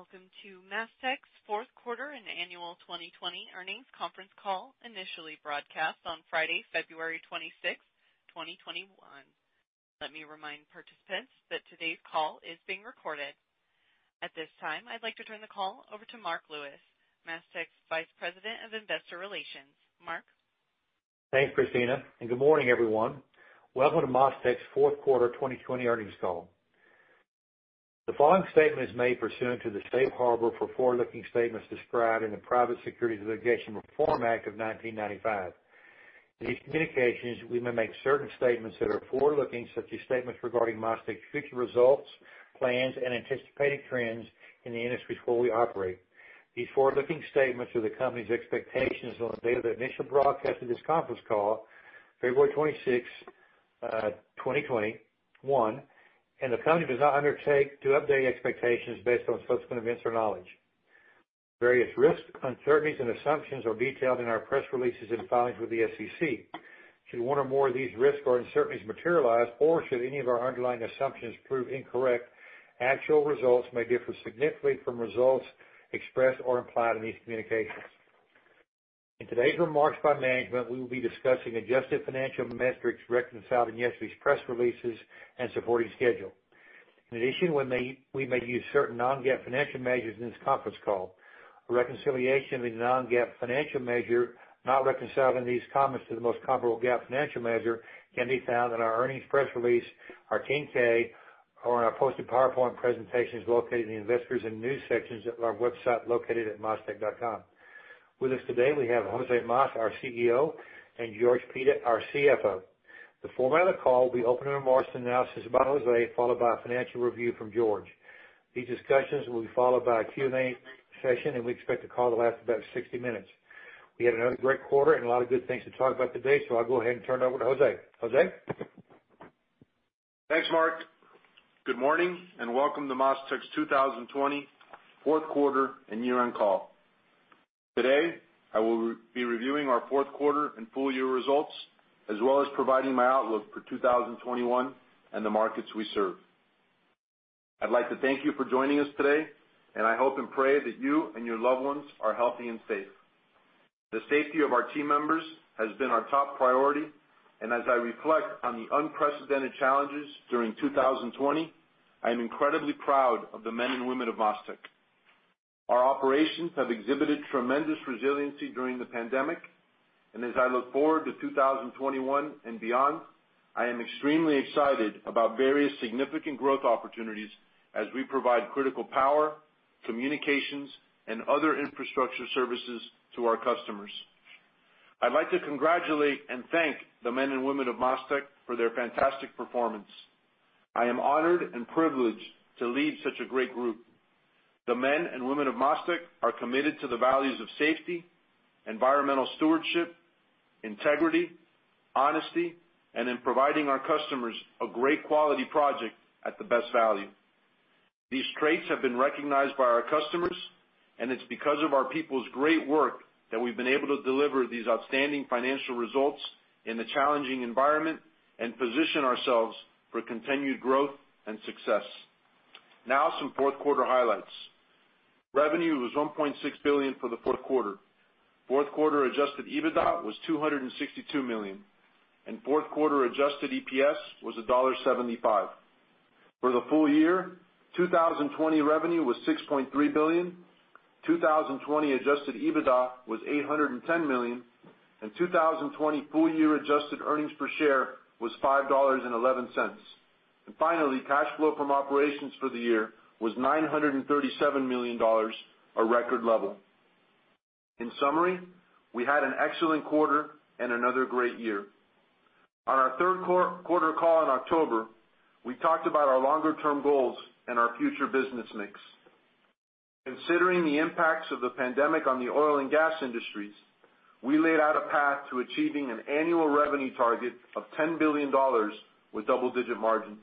Welcome to MasTec's fourth quarter and annual 2020 earnings conference call, initially broadcast on Friday, February 26, 2021. Let me remind participants that today's call is being recorded. At this time, I'd like to turn the call over to Marc Lewis, MasTec's Vice President of Investor Relations. Marc? Thanks, Christina, and good morning, everyone. Welcome to MasTec's fourth quarter 2020 earnings call. The following statement is made pursuant to the safe harbor for forward-looking statements described in the Private Securities Litigation Reform Act of 1995. In these communications, we may make certain statements that are forward-looking, such as statements regarding MasTec's future results, plans, and anticipated trends in the industries where we operate. These forward-looking statements are the company's expectations on the day of the initial broadcast of this conference call, February 26th, 2021, and the company does not undertake to update expectations based on subsequent events or knowledge. Various risks, uncertainties, and assumptions are detailed in our press releases and filings with the SEC. Should one or more of these risks or uncertainties materialize, or should any of our underlying assumptions prove incorrect, actual results may differ significantly from results expressed or implied in these communications. In today's remarks by management, we will be discussing adjusted financial metrics reconciled in yesterday's press releases and supporting schedule. In addition, we may use certain non-GAAP financial measures in this conference call. A reconciliation of the non-GAAP financial measure, not reconciled in these comments to the most comparable GAAP financial measure, can be found in our earnings press release, our 10-K, or in our posted PowerPoint presentations located in the Investors and News sections of our website, located at mastec.com. With us today, we have Jose Mas, our CEO, and George Pita, our CFO. The format of the call will be opening remarks and analysis by Jose, followed by a financial review from George. These discussions will be followed by a Q&A session. We expect the call to last about 60 minutes. We had another great quarter and a lot of good things to talk about today. I'll go ahead and turn it over to Jose. Jose? Thanks, Marc. Good morning, welcome to MasTec's 2020 fourth quarter and year-end call. Today, I will be reviewing our fourth quarter and full year results, as well as providing my outlook for 2021 and the markets we serve. I'd like to thank you for joining us today, I hope and pray that you and your loved ones are healthy and safe. The safety of our team members has been our top priority, as I reflect on the unprecedented challenges during 2020, I am incredibly proud of the men and women of MasTec. Our operations have exhibited tremendous resiliency during the pandemic, as I look forward to 2021 and beyond, I am extremely excited about various significant growth opportunities as we provide critical power, communications, and other infrastructure services to our customers. I'd like to congratulate and thank the men and women of MasTec for their fantastic performance. I am honored and privileged to lead such a great group. The men and women of MasTec are committed to the values of safety, environmental stewardship, integrity, honesty, and in providing our customers a great quality project at the best value. These traits have been recognized by our customers, and it's because of our people's great work that we've been able to deliver these outstanding financial results in a challenging environment and position ourselves for continued growth and success. Now, some fourth quarter highlights. Revenue was $1.6 billion for the fourth quarter. Fourth quarter adjusted EBITDA was $262 million, and fourth quarter adjusted EPS was $1.75. For the full year, 2020 revenue was $6.3 billion, 2020 adjusted EBITDA was $810 million, and 2020 full year adjusted earnings per share was $5.11. Finally, cash flow from operations for the year was $937 million, a record level. In summary, we had an excellent quarter and another great year. On our third quarter call in October, we talked about our longer-term goals and our future business mix. Considering the impacts of the pandemic on the oil and gas industries, we laid out a path to achieving an annual revenue target of $10 billion with double-digit margins.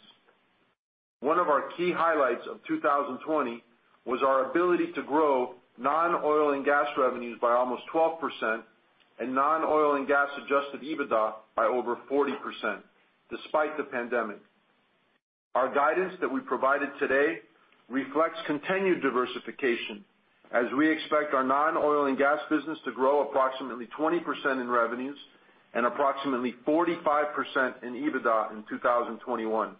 One of our key highlights of 2020 was our ability to grow non-oil and gas revenues by almost 12% and non-oil and gas adjusted EBITDA by over 40%, despite the pandemic. Our guidance that we provided today reflects continued diversification, as we expect our non-oil and gas business to grow approximately 20% in revenues and approximately 45% in EBITDA in 2021.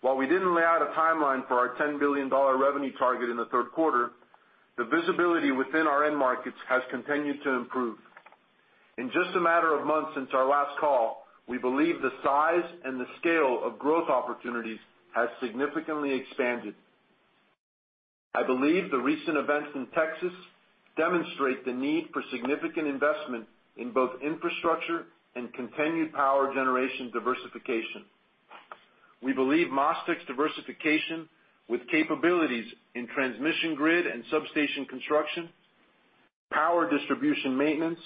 While we didn't lay out a timeline for our $10 billion revenue target in the third quarter, the visibility within our end markets has continued to improve. In just a matter of months since our last call, we believe the size and the scale of growth opportunities has significantly expanded. I believe the recent events in Texas demonstrate the need for significant investment in both infrastructure and continued power generation diversification. We believe MasTec's diversification, with capabilities in transmission grid and substation construction, power distribution maintenance,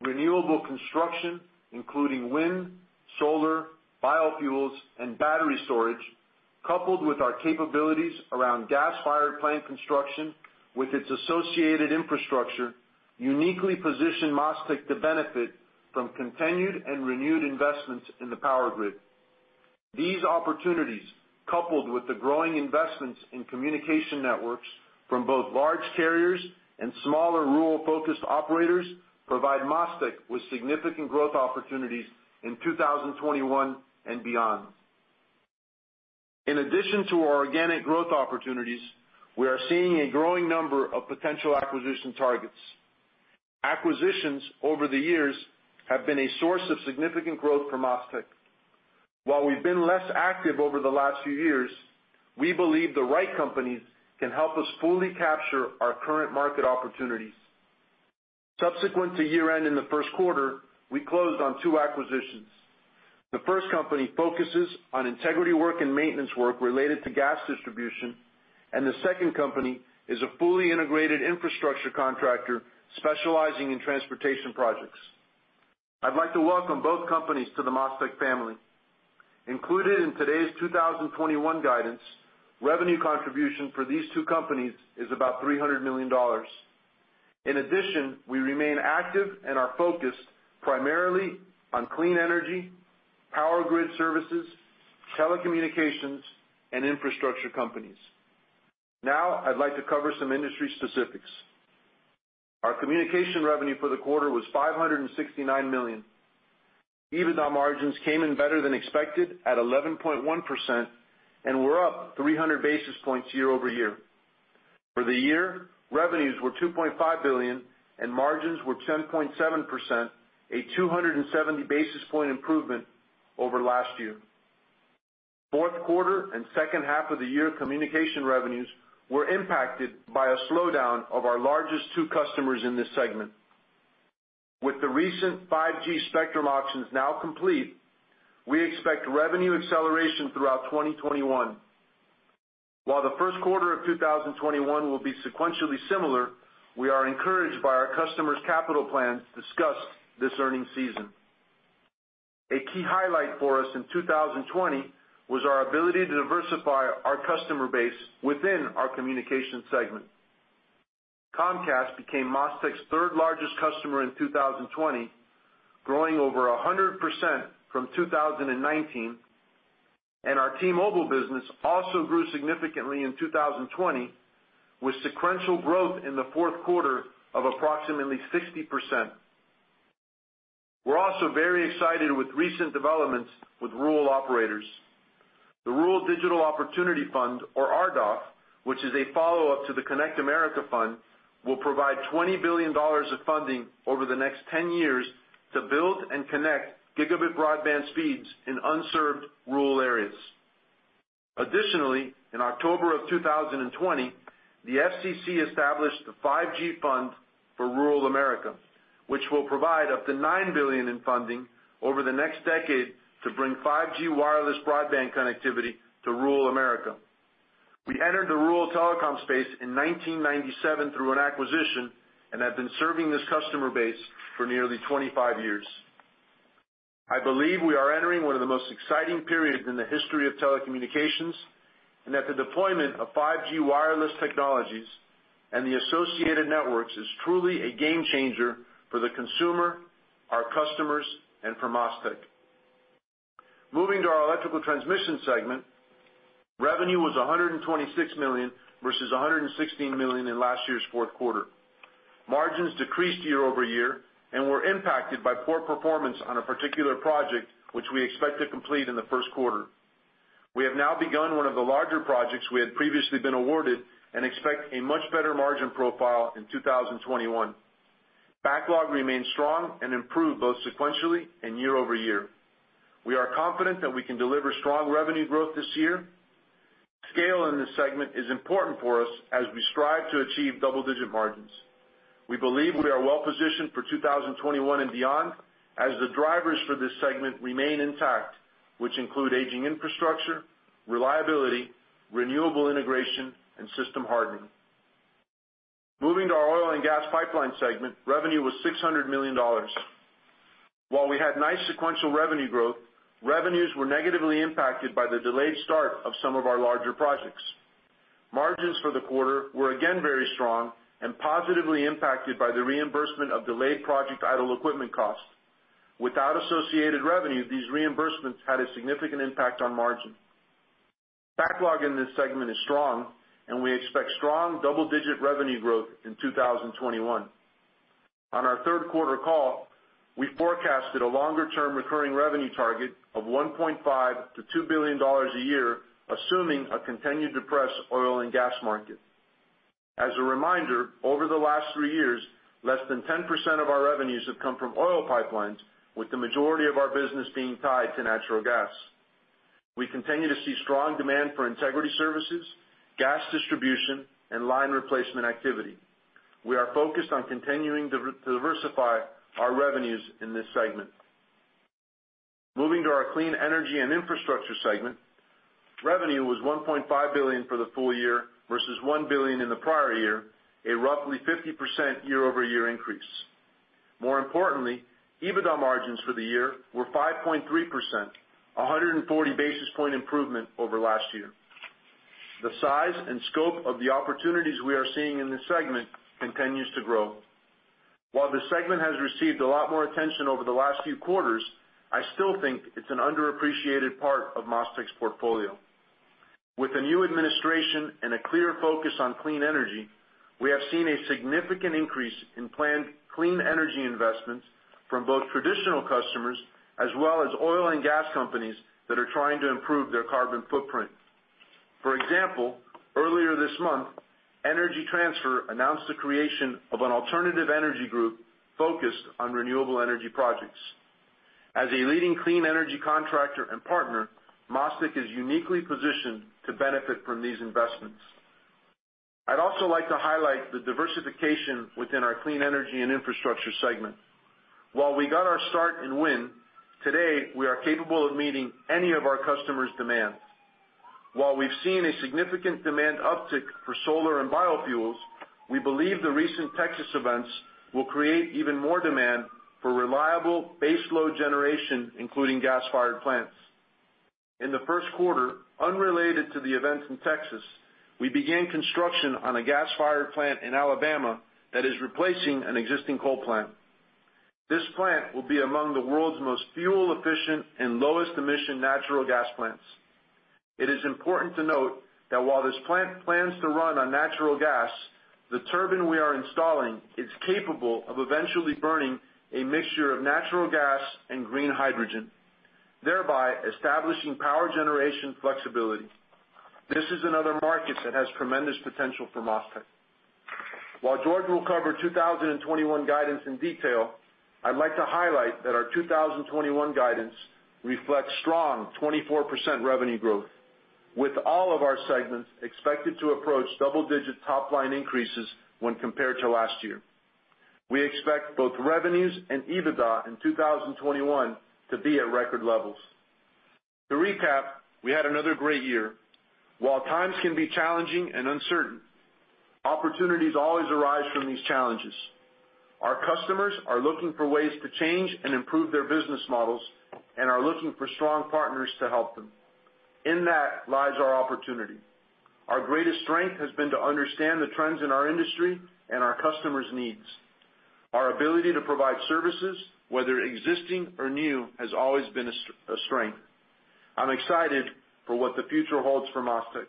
renewable construction, including wind, solar, biofuels, and battery storage, coupled with our capabilities around gas-fired plant construction with its associated infrastructure, uniquely position MasTec to benefit from continued and renewed investments in the power grid. These opportunities, coupled with the growing investments in communication networks from both large carriers and smaller rural-focused operators, provide MasTec with significant growth opportunities in 2021 and beyond. In addition to our organic growth opportunities, we are seeing a growing number of potential acquisition targets. Acquisitions over the years have been a source of significant growth for MasTec. While we've been less active over the last few years, we believe the right companies can help us fully capture our current market opportunities. Subsequent to year-end in the first quarter, we closed on 2 acquisitions. The first company focuses on integrity work and maintenance work related to gas distribution, and the second company is a fully integrated infrastructure contractor specializing in transportation projects. I'd like to welcome both companies to the MasTec family. Included in today's 2021 guidance, revenue contribution for these two companies is about $300 million. In addition, we remain active and are focused primarily on clean energy, power grid services, telecommunications, and infrastructure companies. Now, I'd like to cover some industry specifics. Our communication revenue for the quarter was $569 million. EBITDA margins came in better than expected at 11.1%, and were up 300 basis points year-over-year. For the year, revenues were $2.5 billion, and margins were 10.7%, a 270 basis point improvement over last year. Fourth quarter and second half of the year, communication revenues were impacted by a slowdown of our largest two customers in this segment. With the recent 5G spectrum auctions now complete, we expect revenue acceleration throughout 2021. While the first quarter of 2021 will be sequentially similar, we are encouraged by our customers' capital plans discussed this earning season. A key highlight for us in 2020 was our ability to diversify our customer base within our communication segment. Comcast became MasTec's third-largest customer in 2020, growing over 100% from 2019, and our T-Mobile business also grew significantly in 2020, with sequential growth in the fourth quarter of approximately 60%. We're also very excited with recent developments with rural operators. The Rural Digital Opportunity Fund, or RDOF, which is a follow-up to the Connect America Fund, will provide $20 billion of funding over the next 10 years to build and connect gigabit broadband speeds in unserved rural areas. Additionally, in October of 2020, the FCC established the 5G Fund for Rural America, which will provide up to $9 billion in funding over the next decade to bring 5G wireless broadband connectivity to rural America. We entered the rural telecom space in 1997 through an acquisition and have been serving this customer base for nearly 25 years. I believe we are entering one of the most exciting periods in the history of telecommunications, and that the deployment of 5G wireless technologies and the associated networks is truly a game changer for the consumer, our customers, and for MasTec. Moving to our electrical transmission segment, revenue was $126 million versus $116 million in last year's fourth quarter. Margins decreased year-over-year and were impacted by poor performance on a particular project, which we expect to complete in the first quarter. We have now begun one of the larger projects we had previously been awarded and expect a much better margin profile in 2021. Backlog remains strong and improved both sequentially and year-over-year. We are confident that we can deliver strong revenue growth this year. Scale in this segment is important for us as we strive to achieve double-digit margins. We believe we are well positioned for 2021 and beyond, as the drivers for this segment remain intact, which include aging infrastructure, reliability, renewable integration, and system hardening. Moving to our oil and gas pipeline segment, revenue was $600 million. While we had nice sequential revenue growth, revenues were negatively impacted by the delayed start of some of our larger projects. Margins for the quarter were again very strong and positively impacted by the reimbursement of delayed project idle equipment costs. Without associated revenue, these reimbursements had a significant impact on margin. Backlog in this segment is strong, and we expect strong double-digit revenue growth in 2021. On our third quarter call, we forecasted a longer-term recurring revenue target of $1.5 billion-$2 billion a year, assuming a continued depressed oil and gas market. As a reminder, over the last 3 years, less than 10% of our revenues have come from oil pipelines, with the majority of our business being tied to natural gas. We continue to see strong demand for integrity services, gas distribution, and line replacement activity. We are focused on continuing to diversify our revenues in this segment. Moving to our clean energy and infrastructure segment, revenue was $1.5 billion for the full year versus $1 billion in the prior year, a roughly 50% year-over-year increase. More importantly, EBITDA margins for the year were 5.3%, 140 basis point improvement over last year. The size and scope of the opportunities we are seeing in this segment continues to grow. While the segment has received a lot more attention over the last few quarters, I still think it's an underappreciated part of MasTec's portfolio. With the new administration and a clear focus on clean energy, we have seen a significant increase in planned clean energy investments from both traditional customers as well as oil and gas companies that are trying to improve their carbon footprint. For example, earlier this month, Energy Transfer announced the creation of an alternative energy group focused on renewable energy projects. As a leading clean energy contractor and partner, MasTec is uniquely positioned to benefit from these investments. I'd also like to highlight the diversification within our clean energy and infrastructure segment. While we got our start in wind, today, we are capable of meeting any of our customers' demands. While we've seen a significant demand uptick for solar and biofuels, we believe the recent Texas events will create even more demand for reliable baseload generation, including gas-fired plants. In the first quarter, unrelated to the events in Texas, we began construction on a gas-fired plant in Alabama that is replacing an existing coal plant. This plant will be among the world's most fuel efficient and lowest emission natural gas plants. It is important to note that while this plant plans to run on natural gas, the turbine we are installing is capable of eventually burning a mixture of natural gas and green hydrogen, thereby establishing power generation flexibility. This is another market that has tremendous potential for MasTec. While George will cover 2021 guidance in detail, I'd like to highlight that our 2021 guidance reflects strong 24% revenue growth, with all of our segments expected to approach double-digit top line increases when compared to last year. We expect both revenues and EBITDA in 2021 to be at record levels. To recap, we had another great year. While times can be challenging and uncertain, opportunities always arise from these challenges. Our customers are looking for ways to change and improve their business models, and are looking for strong partners to help them. In that lies our opportunity. Our greatest strength has been to understand the trends in our industry and our customers' needs. Our ability to provide services, whether existing or new, has always been a strength. I'm excited for what the future holds for MasTec.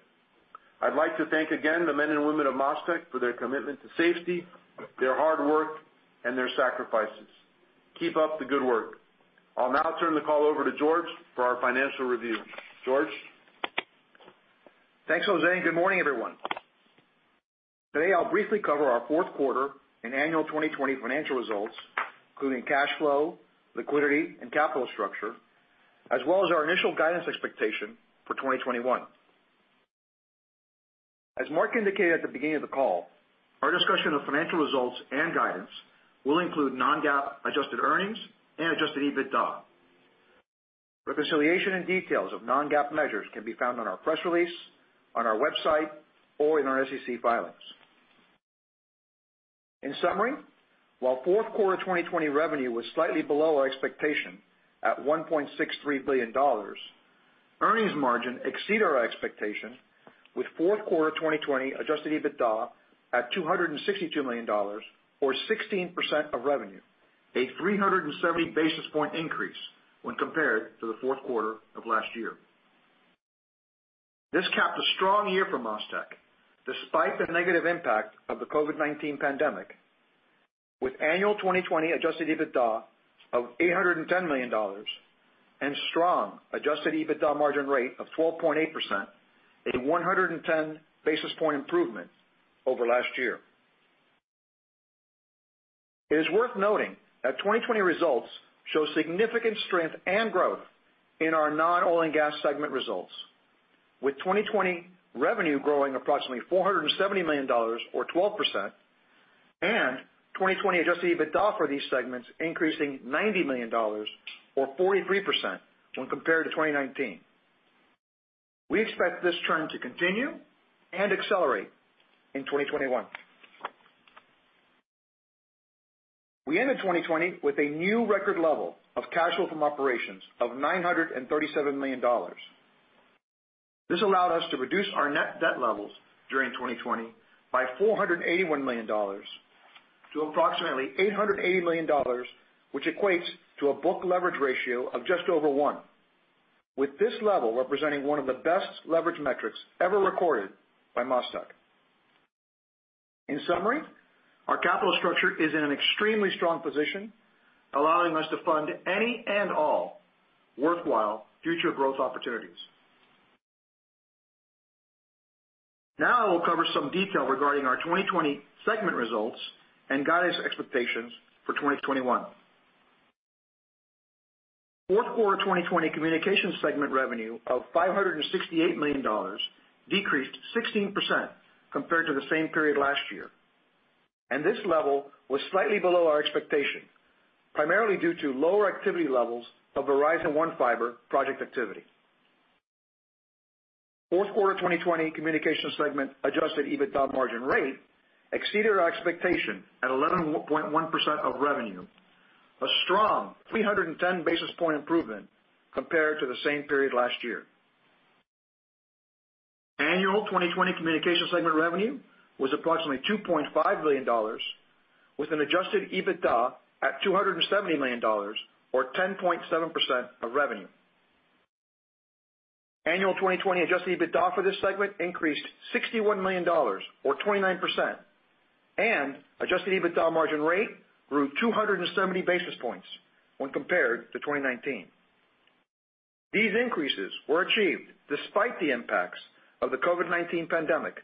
I'd like to thank again the men and women of MasTec for their commitment to safety, their hard work, and their sacrifices. Keep up the good work. I'll now turn the call over to George for our financial review. George? Thanks, Jose. Good morning, everyone. Today, I'll briefly cover our fourth quarter and annual 2020 financial results, including cash flow, liquidity, and capital structure, as well as our initial guidance expectation for 2021. As Marc indicated at the beginning of the call, our discussion of financial results and guidance will include non-GAAP adjusted earnings and adjusted EBITDA. Reconciliation and details of non-GAAP measures can be found on our press release, on our website, or in our SEC filings. In summary, while fourth quarter 2020 revenue was slightly below our expectation at $1.63 billion, earnings margin exceeded our expectation, with fourth quarter 2020 adjusted EBITDA at $262 million or 16% of revenue, a 370 basis point increase when compared to the fourth quarter of last year. This capped a strong year for MasTec, despite the negative impact of the COVID-19 pandemic, with annual 20 adjusted EBITDA of $810 million and strong adjusted EBITDA margin rate of 12.8%, a 110 basis point improvement over last year. It is worth noting that 2020 results show significant strength and growth in our non-oil and gas segment results, with 2020 revenue growing approximately $470 million, or 12%, and 2020 adjusted EBITDA for these segments increasing $90 million, or 43%, when compared to 2019. We expect this trend to continue and accelerate in 2021. We ended 2020 with a new record level of cash flow from operations of $937 million. This allowed us to reduce our net debt levels during 2020 by $481 million to approximately $880 million, which equates to a book leverage ratio of just over 1, with this level representing one of the best leverage metrics ever recorded by MasTec. Our capital structure is in an extremely strong position, allowing us to fund any and all worthwhile future growth opportunities. I will cover some detail regarding our 2020 segment results and guidance expectations for 2021. Fourth quarter 2020 communications segment revenue of $568 million decreased 16% compared to the same period last year, this level was slightly below our expectation, primarily due to lower activity levels of Verizon One Fiber project activity. Fourth quarter 2020 communication segment adjusted EBITDA margin rate exceeded our expectation at 11.1% of revenue, a strong 310 basis point improvement compared to the same period last year. Annual 2020 communication segment revenue was approximately $2.5 billion, with an adjusted EBITDA at $270 million or 10.7% of revenue. Annual 2020 adjusted EBITDA for this segment increased $61 million or 29%, and adjusted EBITDA margin rate grew 270 basis points when compared to 2019. These increases were achieved despite the impacts of the COVID-19 pandemic,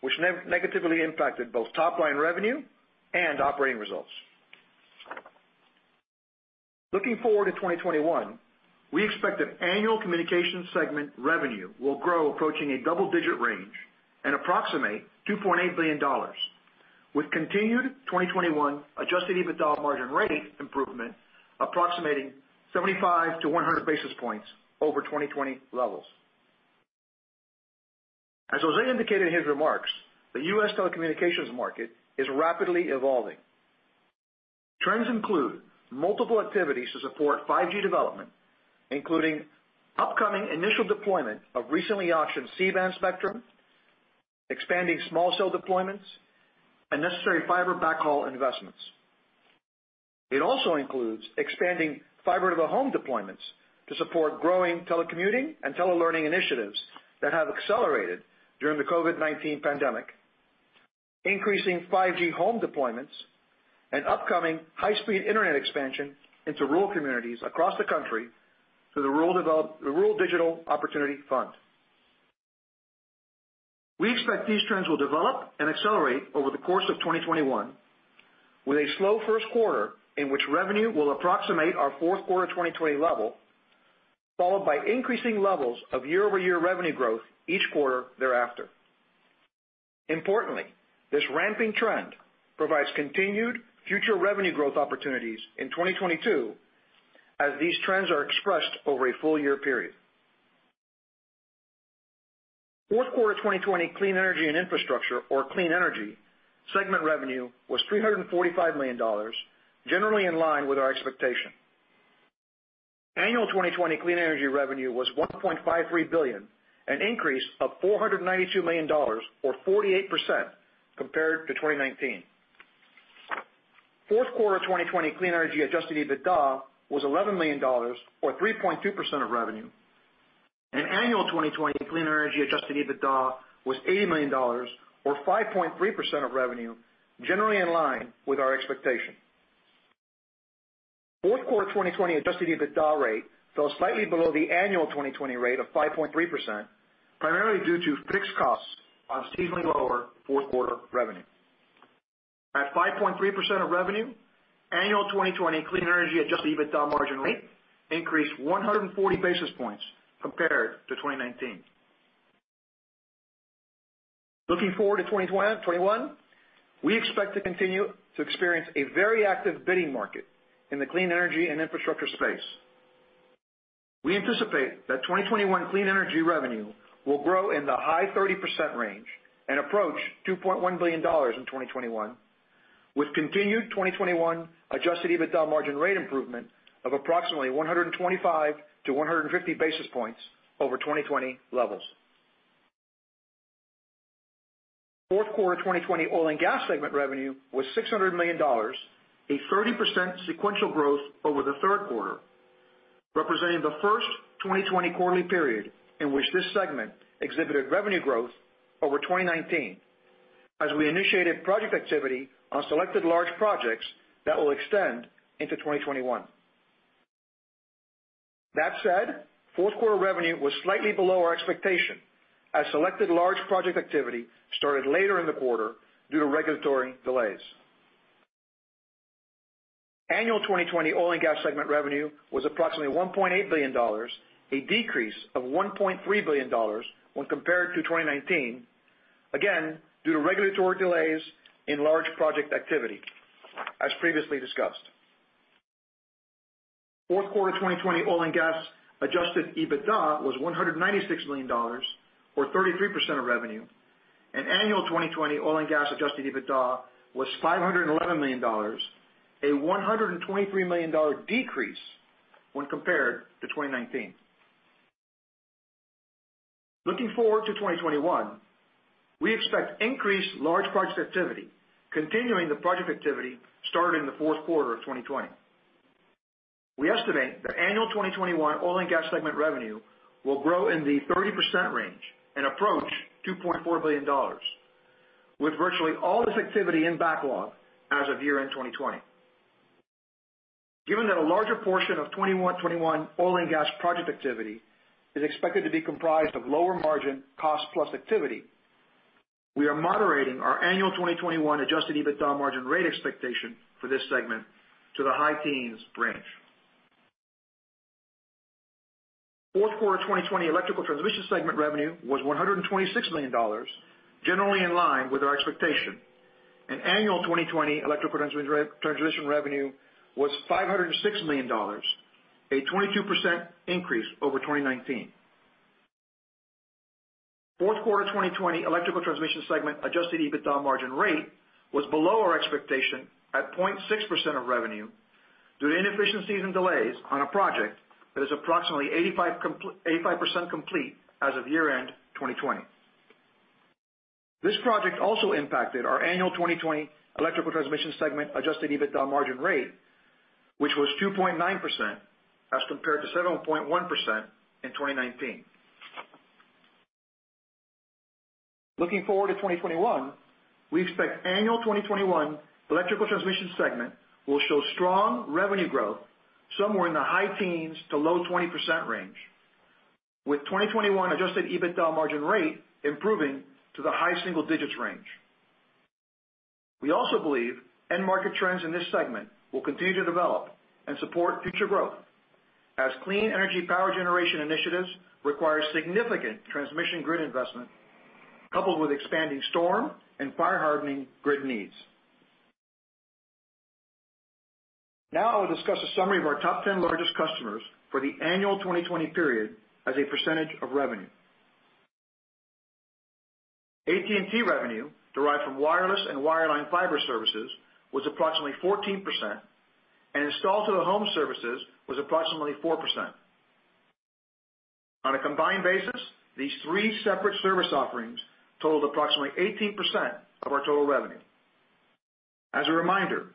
which negatively impacted both top line revenue and operating results. Looking forward to 2021, we expect that annual communication segment revenue will grow approaching a double-digit range and approximate $2.8 billion, with continued 2021 adjusted EBITDA margin rate improvement approximating 75 to 100 basis points over 2020 levels. As Jose indicated in his remarks, the U.S. telecommunications market is rapidly evolving. Trends include multiple activities to support 5G development, including upcoming initial deployment of recently auctioned C-band spectrum, expanding small cell deployments, and necessary fiber backhaul investments. It also includes expanding fiber to the home deployments to support growing telecommuting and telelearning initiatives that have accelerated during the COVID-19 pandemic, increasing 5G home deployments, and upcoming high-speed internet expansion into rural communities across the country through the Rural Digital Opportunity Fund. We expect these trends will develop and accelerate over the course of 2021, with a slow first quarter in which revenue will approximate our Q4 2020 level, followed by increasing levels of year-over-year revenue growth each quarter thereafter. Importantly, this ramping trend provides continued future revenue growth opportunities in 2022 as these trends are expressed over a full year period. Q4 2020 clean energy and infrastructure or clean energy segment revenue was $345 million, generally in line with our expectation. Annual 2020 clean energy revenue was $1.53 billion, an increase of $492 million or 48% compared to 2019. Q4 2020 clean energy adjusted EBITDA was $11 million or 3.2% of revenue. Annual 2020 clean energy adjusted EBITDA was $80 million or 5.3% of revenue, generally in line with our expectation. Fourth quarter 2020 adjusted EBITDA rate fell slightly below the annual 2020 rate of 5.3%, primarily due to fixed costs on seasonally lower fourth quarter revenue. At 5.3% of revenue, annual 2020 clean energy adjusted EBITDA margin rate increased 140 basis points compared to 2019. Looking forward to 2021, we expect to continue to experience a very active bidding market in the clean energy and infrastructure space. We anticipate that 2021 clean energy revenue will grow in the high 30% range and approach $2.1 billion in 2021, with continued 2021 adjusted EBITDA margin rate improvement of approximately 125-150 basis points over 2020 levels. Fourth quarter 2020 oil and gas segment revenue was $600 million, a 30% sequential growth over the third quarter, representing the first 2020 quarterly period in which this segment exhibited revenue growth over 2019, as we initiated project activity on selected large projects that will extend into 2021. Fourth quarter revenue was slightly below our expectation as selected large project activity started later in the quarter due to regulatory delays. Annual 2020 oil and gas segment revenue was approximately $1.8 billion, a decrease of $1.3 billion when compared to 2019, again, due to regulatory delays in large project activity, as previously discussed. Fourth quarter 2020 oil and gas adjusted EBITDA was $196 million or 33% of revenue, and annual 2020 oil and gas adjusted EBITDA was $511 million, a $123 million decrease when compared to 2019. Looking forward to 2021, we expect increased large project activity, continuing the project activity started in the fourth quarter of 2020. We estimate that annual 2021 oil and gas segment revenue will grow in the 30% range and approach $2.4 billion, with virtually all this activity in backlog as of year-end 2020. Given that a larger portion of 2021 oil and gas project activity is expected to be comprised of lower margin cost plus activity, we are moderating our annual 2021 adjusted EBITDA margin rate expectation for this segment to the high teens range. Fourth quarter 2020 Electrical Transmission segment revenue was $126 million, generally in line with our expectation. Annual 2020 Electrical Transmission revenue was $506 million, a 22% increase over 2019. Fourth quarter 2020 Electrical Transmission segment adjusted EBITDA margin rate was below our expectation at 0.6% of revenue, due to inefficiencies and delays on a project that is approximately 85% complete as of year-end 2020. This project also impacted our annual 2020 Electrical Transmission segment adjusted EBITDA margin rate, which was 2.9% as compared to 7.1% in 2019. Looking forward to 2021, we expect annual 2021 Electrical Transmission segment will show strong revenue growth, somewhere in the high teens to low 20% range, with 2021 adjusted EBITDA margin rate improving to the high single digits range. We also believe end market trends in this segment will continue to develop and support future growth, as clean energy power generation initiatives require significant transmission grid investment, coupled with expanding storm and fire hardening grid needs. I will discuss a summary of our top 10 largest customers for the annual 2020 period as a % of revenue. AT&T revenue, derived from wireless and wireline fiber services, was approximately 14%, and installed to the home services was approximately 4%. On a combined basis, these three separate service offerings totaled approximately 18% of our total revenue. As a reminder,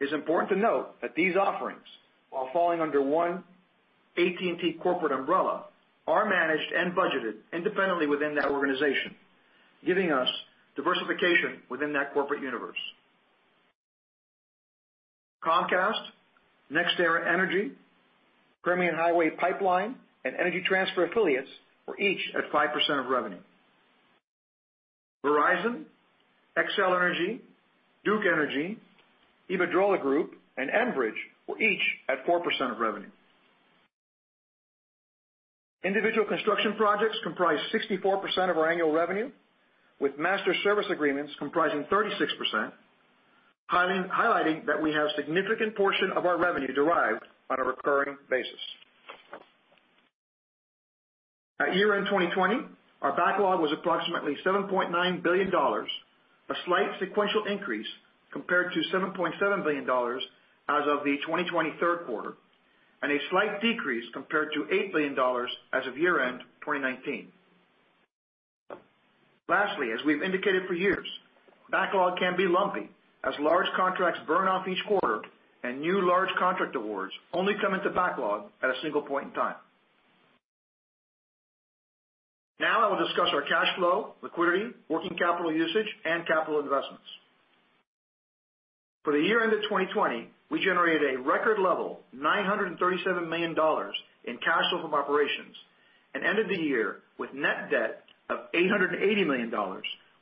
it's important to note that these offerings, while falling under one AT&T corporate umbrella, are managed and budgeted independently within that organization, giving us diversification within that corporate universe. Comcast, NextEra Energy, Permian Highway Pipeline, and Energy Transfer affiliates were each at 5% of revenue. Verizon, Xcel Energy, Duke Energy, Iberdrola Group, and Enbridge were each at 4% of revenue. Individual construction projects comprised 64% of our annual revenue, with master service agreements comprising 36%, highlighting that we have significant portion of our revenue derived on a recurring basis. At year-end 2020, our backlog was approximately $7.9 billion, a slight sequential increase compared to $7.7 billion as of the 2020 third quarter, and a slight decrease compared to $8 billion as of year-end 2019. Lastly, as we've indicated for years, backlog can be lumpy as large contracts burn off each quarter and new large contract awards only come into backlog at a single point in time. Now I will discuss our cash flow, liquidity, working capital usage, and capital investments. For the year ended 2020, we generated a record level, $937 million in cash flow from operations, and ended the year with net debt of $880 million,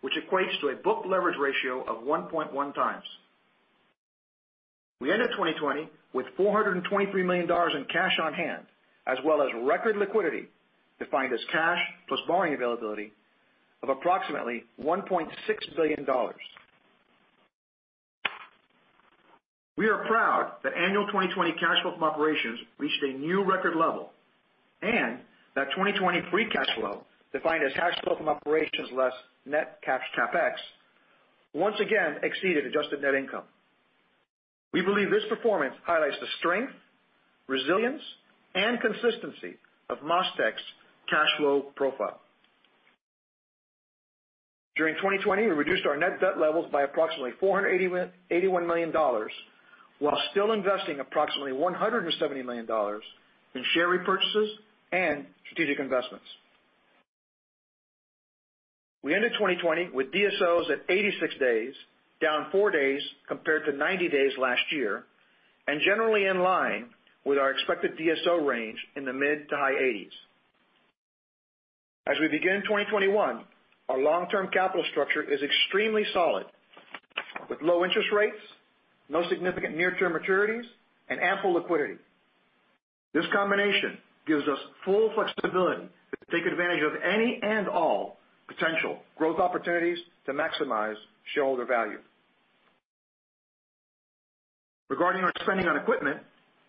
which equates to a book leverage ratio of 1.1 times. We ended 2020 with $423 million in cash on hand, as well as record liquidity, defined as cash plus borrowing availability, of approximately $1.6 billion. We are proud that annual 2020 cash flow from operations reached a new record level, and that 2020 free cash flow, defined as cash flow from operations less net cash CapEx, once again exceeded adjusted net income. We believe this performance highlights the strength, resilience, and consistency of MasTec's cash flow profile. During 2020, we reduced our net debt levels by approximately $481 million, while still investing approximately $170 million in share repurchases and strategic investments. We ended 2020 with DSOs at 86 days, down four days compared to 90 days last year, and generally in line with our expected DSO range in the mid to high 80s. As we begin 2021, our long-term capital structure is extremely solid, with low interest rates, no significant near-term maturities, and ample liquidity. This combination gives us full flexibility to take advantage of any and all potential growth opportunities to maximize shareholder value. Regarding our spending on equipment,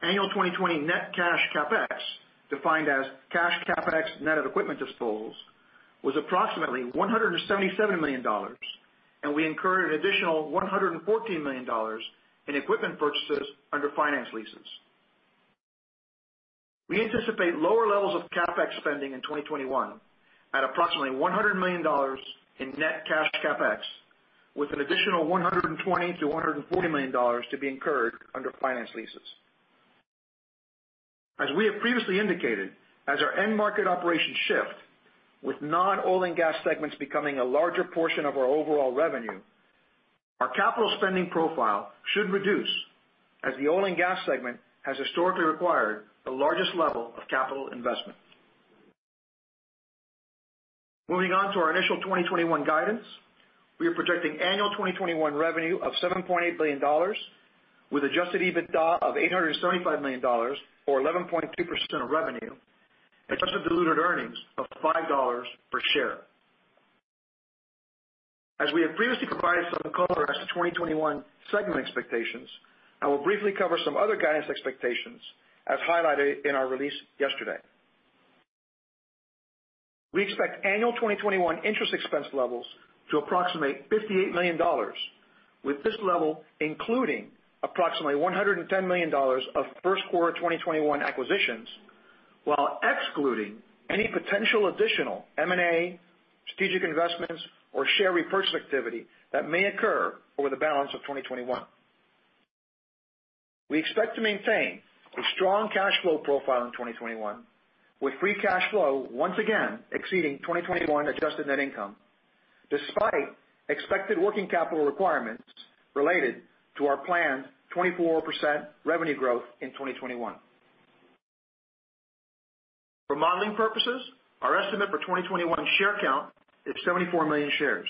annual 2020 net cash CapEx, defined as cash CapEx net of equipment disposals, was approximately $177 million, and we incurred an additional $114 million in equipment purchases under finance leases. We anticipate lower levels of CapEx spending in 2021 at approximately $100 million in net cash CapEx, with an additional $120 million-$140 million to be incurred under finance leases. As we have previously indicated, as our end market operations shift, with non-oil and gas segments becoming a larger portion of our overall revenue, our capital spending profile should reduce, as the oil and gas segment has historically required the largest level of capital investment. Moving on to our initial 2021 guidance. We are projecting annual 2021 revenue of $7.8 billion, with adjusted EBITDA of $875 million, or 11.2% of revenue, adjusted diluted earnings of $5 per share. As we have previously provided some color as to 2021 segment expectations, I will briefly cover some other guidance expectations as highlighted in our release yesterday. We expect annual 2021 interest expense levels to approximate $58 million, with this level including approximately $110 million of first quarter 2021 acquisitions, while excluding any potential additional M&A, strategic investments, or share repurchase activity that may occur over the balance of 2021. We expect to maintain a strong cash flow profile in 2021, with free cash flow once again exceeding 2021 adjusted net income, despite expected working capital requirements related to our planned 24% revenue growth in 2021. For modeling purposes, our estimate for 2021 share count is 74 million shares.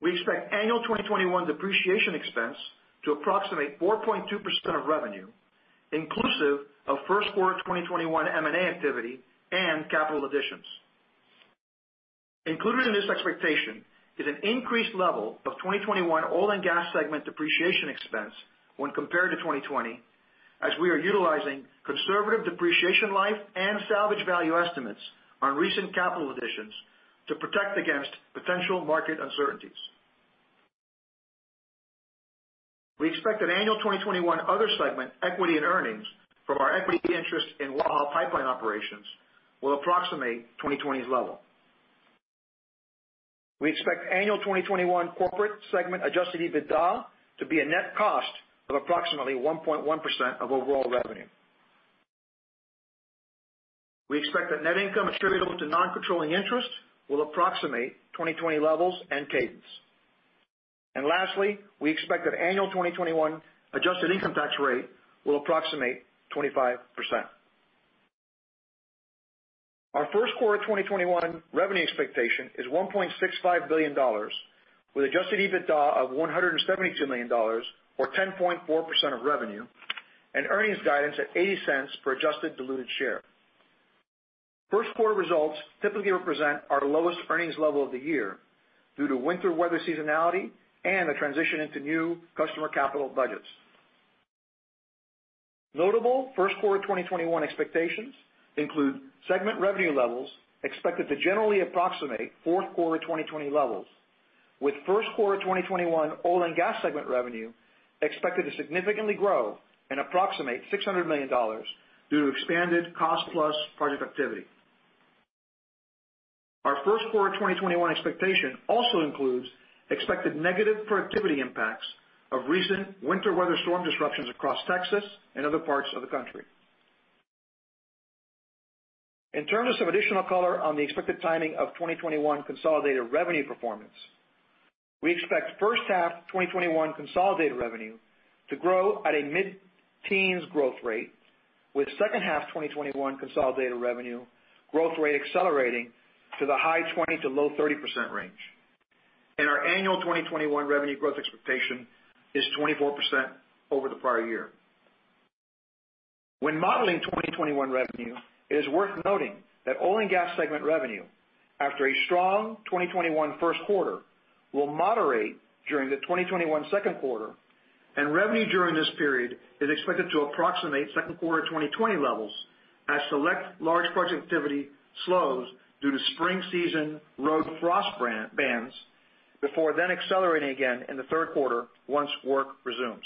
We expect annual 2021 depreciation expense to approximate 4.2% of revenue, inclusive of first quarter 2021 M&A activity and capital additions. Included in this expectation is an increased level of 2021 oil and gas segment depreciation expense when compared to 2020, as we are utilizing conservative depreciation life and salvage value estimates on recent capital additions to protect against potential market uncertainties. We expect that annual 2021 other segment equity and earnings from our equity interest in Waha Pipeline operations will approximate 2020's level. We expect annual 2021 corporate segment adjusted EBITDA to be a net cost of approximately 1.1% of overall revenue. We expect that net income attributable to non-controlling interest will approximate 2020 levels and cadence. Lastly, we expect that annual 2021 adjusted income tax rate will approximate 25%. Our first quarter 2021 revenue expectation is $1.65 billion, with adjusted EBITDA of $172 million, or 10.4% of revenue, and earnings guidance at $0.80 per adjusted diluted share. First quarter results typically represent our lowest earnings level of the year due to winter weather seasonality and the transition into new customer capital budgets. Notable first quarter 2021 expectations include segment revenue levels expected to generally approximate fourth quarter 2020 levels, with first quarter 2021 oil and gas segment revenue expected to significantly grow and approximate $600 million due to expanded cost plus project activity. Our first quarter 2021 expectation also includes expected negative productivity impacts of recent winter weather storm disruptions across Texas and other parts of the country. In terms of some additional color on the expected timing of 2021 consolidated revenue performance, we expect first half 2021 consolidated revenue to grow at a mid-teens growth rate, with second half 2021 consolidated revenue growth rate accelerating to the high 20% to low 30% range. Our annual 2021 revenue growth expectation is 24% over the prior year. When modeling 2021 revenue, it is worth noting that oil and gas segment revenue, after a strong 2021 first quarter, will moderate during the 2021 second quarter, and revenue during this period is expected to approximate second quarter 2020 levels as select large project activity slows due to spring season road frost bans, before then accelerating again in the third quarter once work resumes.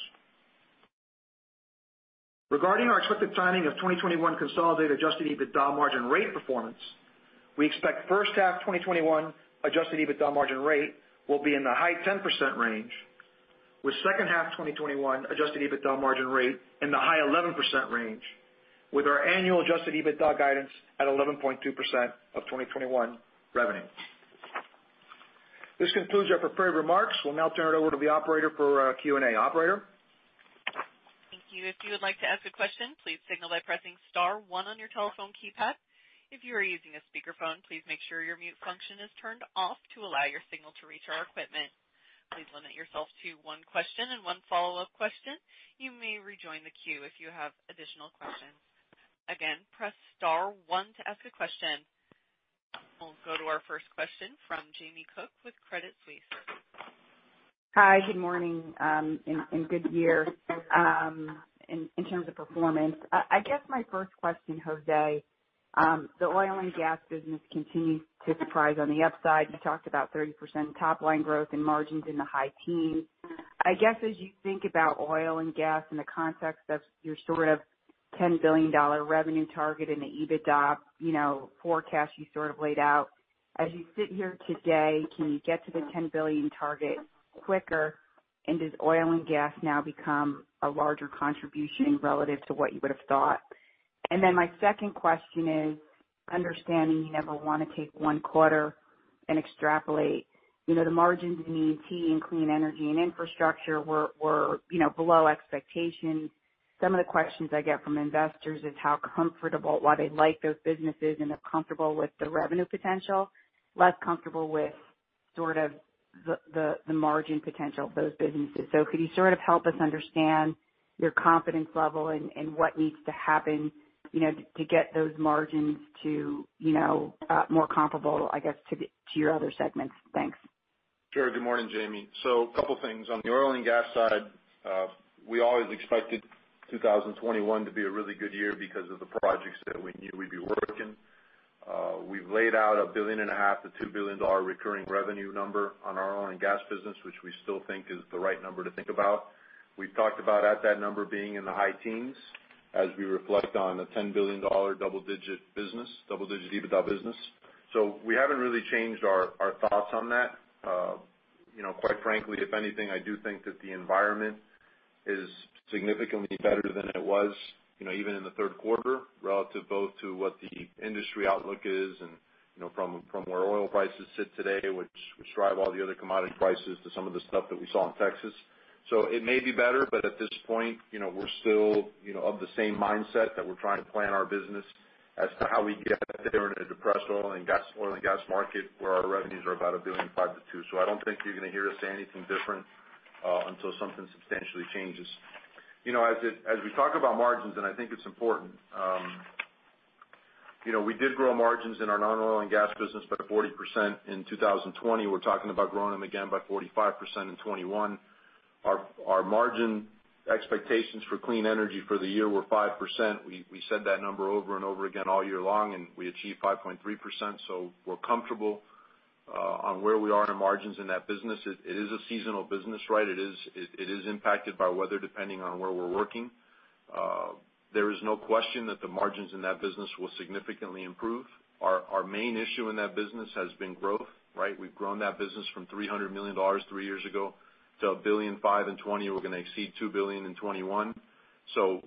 Regarding our expected timing of 2021 consolidated adjusted EBITDA margin rate performance, we expect first half 2021 adjusted EBITDA margin rate will be in the high 10% range, with second half 2021 adjusted EBITDA margin rate in the high 11% range, with our annual adjusted EBITDA guidance at 11.2% of 2021 revenue. This concludes our prepared remarks. We'll now turn it over to the operator for Q&A. Operator? Thank you. If you would like to ask a question, please signal by pressing star one on your telephone keypad. If you are using a speakerphone, please make sure your mute function is turned off to allow your signal to reach our equipment. Please limit yourself to one question and one follow-up question. You may rejoin the queue if you have additional questions. Again, press star one to ask a question. We'll go to our first question from Jamie Cook with Credit Suisse. Hi, good morning, and good year, in terms of performance. I guess my first question, Jose, the oil and gas business continues to surprise on the upside. You talked about 30% top line growth and margins in the high teens. I guess, as you think about oil and gas in the context of your sort of $10 billion revenue target and the EBITDA, you know, forecast you sort of laid out, as you sit here today, can you get to the $10 billion target quicker? Does oil and gas now become a larger contribution relative to what you would have thought? My second question is, understanding you never want to take one quarter and extrapolate, you know, the margins in ET and clean energy and infrastructure were, you know, below expectations. Some of the questions I get from investors is how comfortable while they like those businesses and are comfortable with the revenue potential, less comfortable with sort of the margin potential of those businesses. Could you sort of help us understand your confidence level and what needs to happen, you know, to get those margins to, you know, more comparable, I guess, to your other segments? Thanks. Sure. Good morning, Jamie. Couple things. On the oil and gas side, we always expected 2021 to be a really good year because of the projects that we knew we'd be working. We've laid out a $1.5 billion-$2 billion recurring revenue number on our oil and gas business, which we still think is the right number to think about. We've talked about at that number being in the high teens as we reflect on a $10 billion double-digit business, double-digit EBITDA business. We haven't really changed our thoughts on that. You know, quite frankly, if anything, I do think that the environment is significantly better than it was, you know, even in the third quarter, relative both to what the industry outlook is and, you know, from where oil prices sit today, which drive all the other commodity prices to some of the stuff that we saw in Texas. It may be better, but at this point, you know, we're still, you know, of the same mindset that we're trying to plan our business as to how we get there in a depressed oil and gas market, where our revenues are about $1.5 billion-$2 billion. I don't think you're gonna hear us say anything different, until something substantially changes. You know, as we talk about margins. I think it's important, you know, we did grow margins in our non-oil and gas business by 40% in 2020. We're talking about growing them again by 45% in 2021. Our margin expectations for clean energy for the year were 5%. We said that number over and over again all year long, and we achieved 5.3%. So we're comfortable on where we are in our margins in that business. It is a seasonal business, right? It is impacted by weather, depending on where we're working. There is no question that the margins in that business will significantly improve. Our main issue in that business has been growth, right? We've grown that business from $300 million 3 years ago to $1.5 billion in 2020. We're gonna exceed $2 billion in 2021.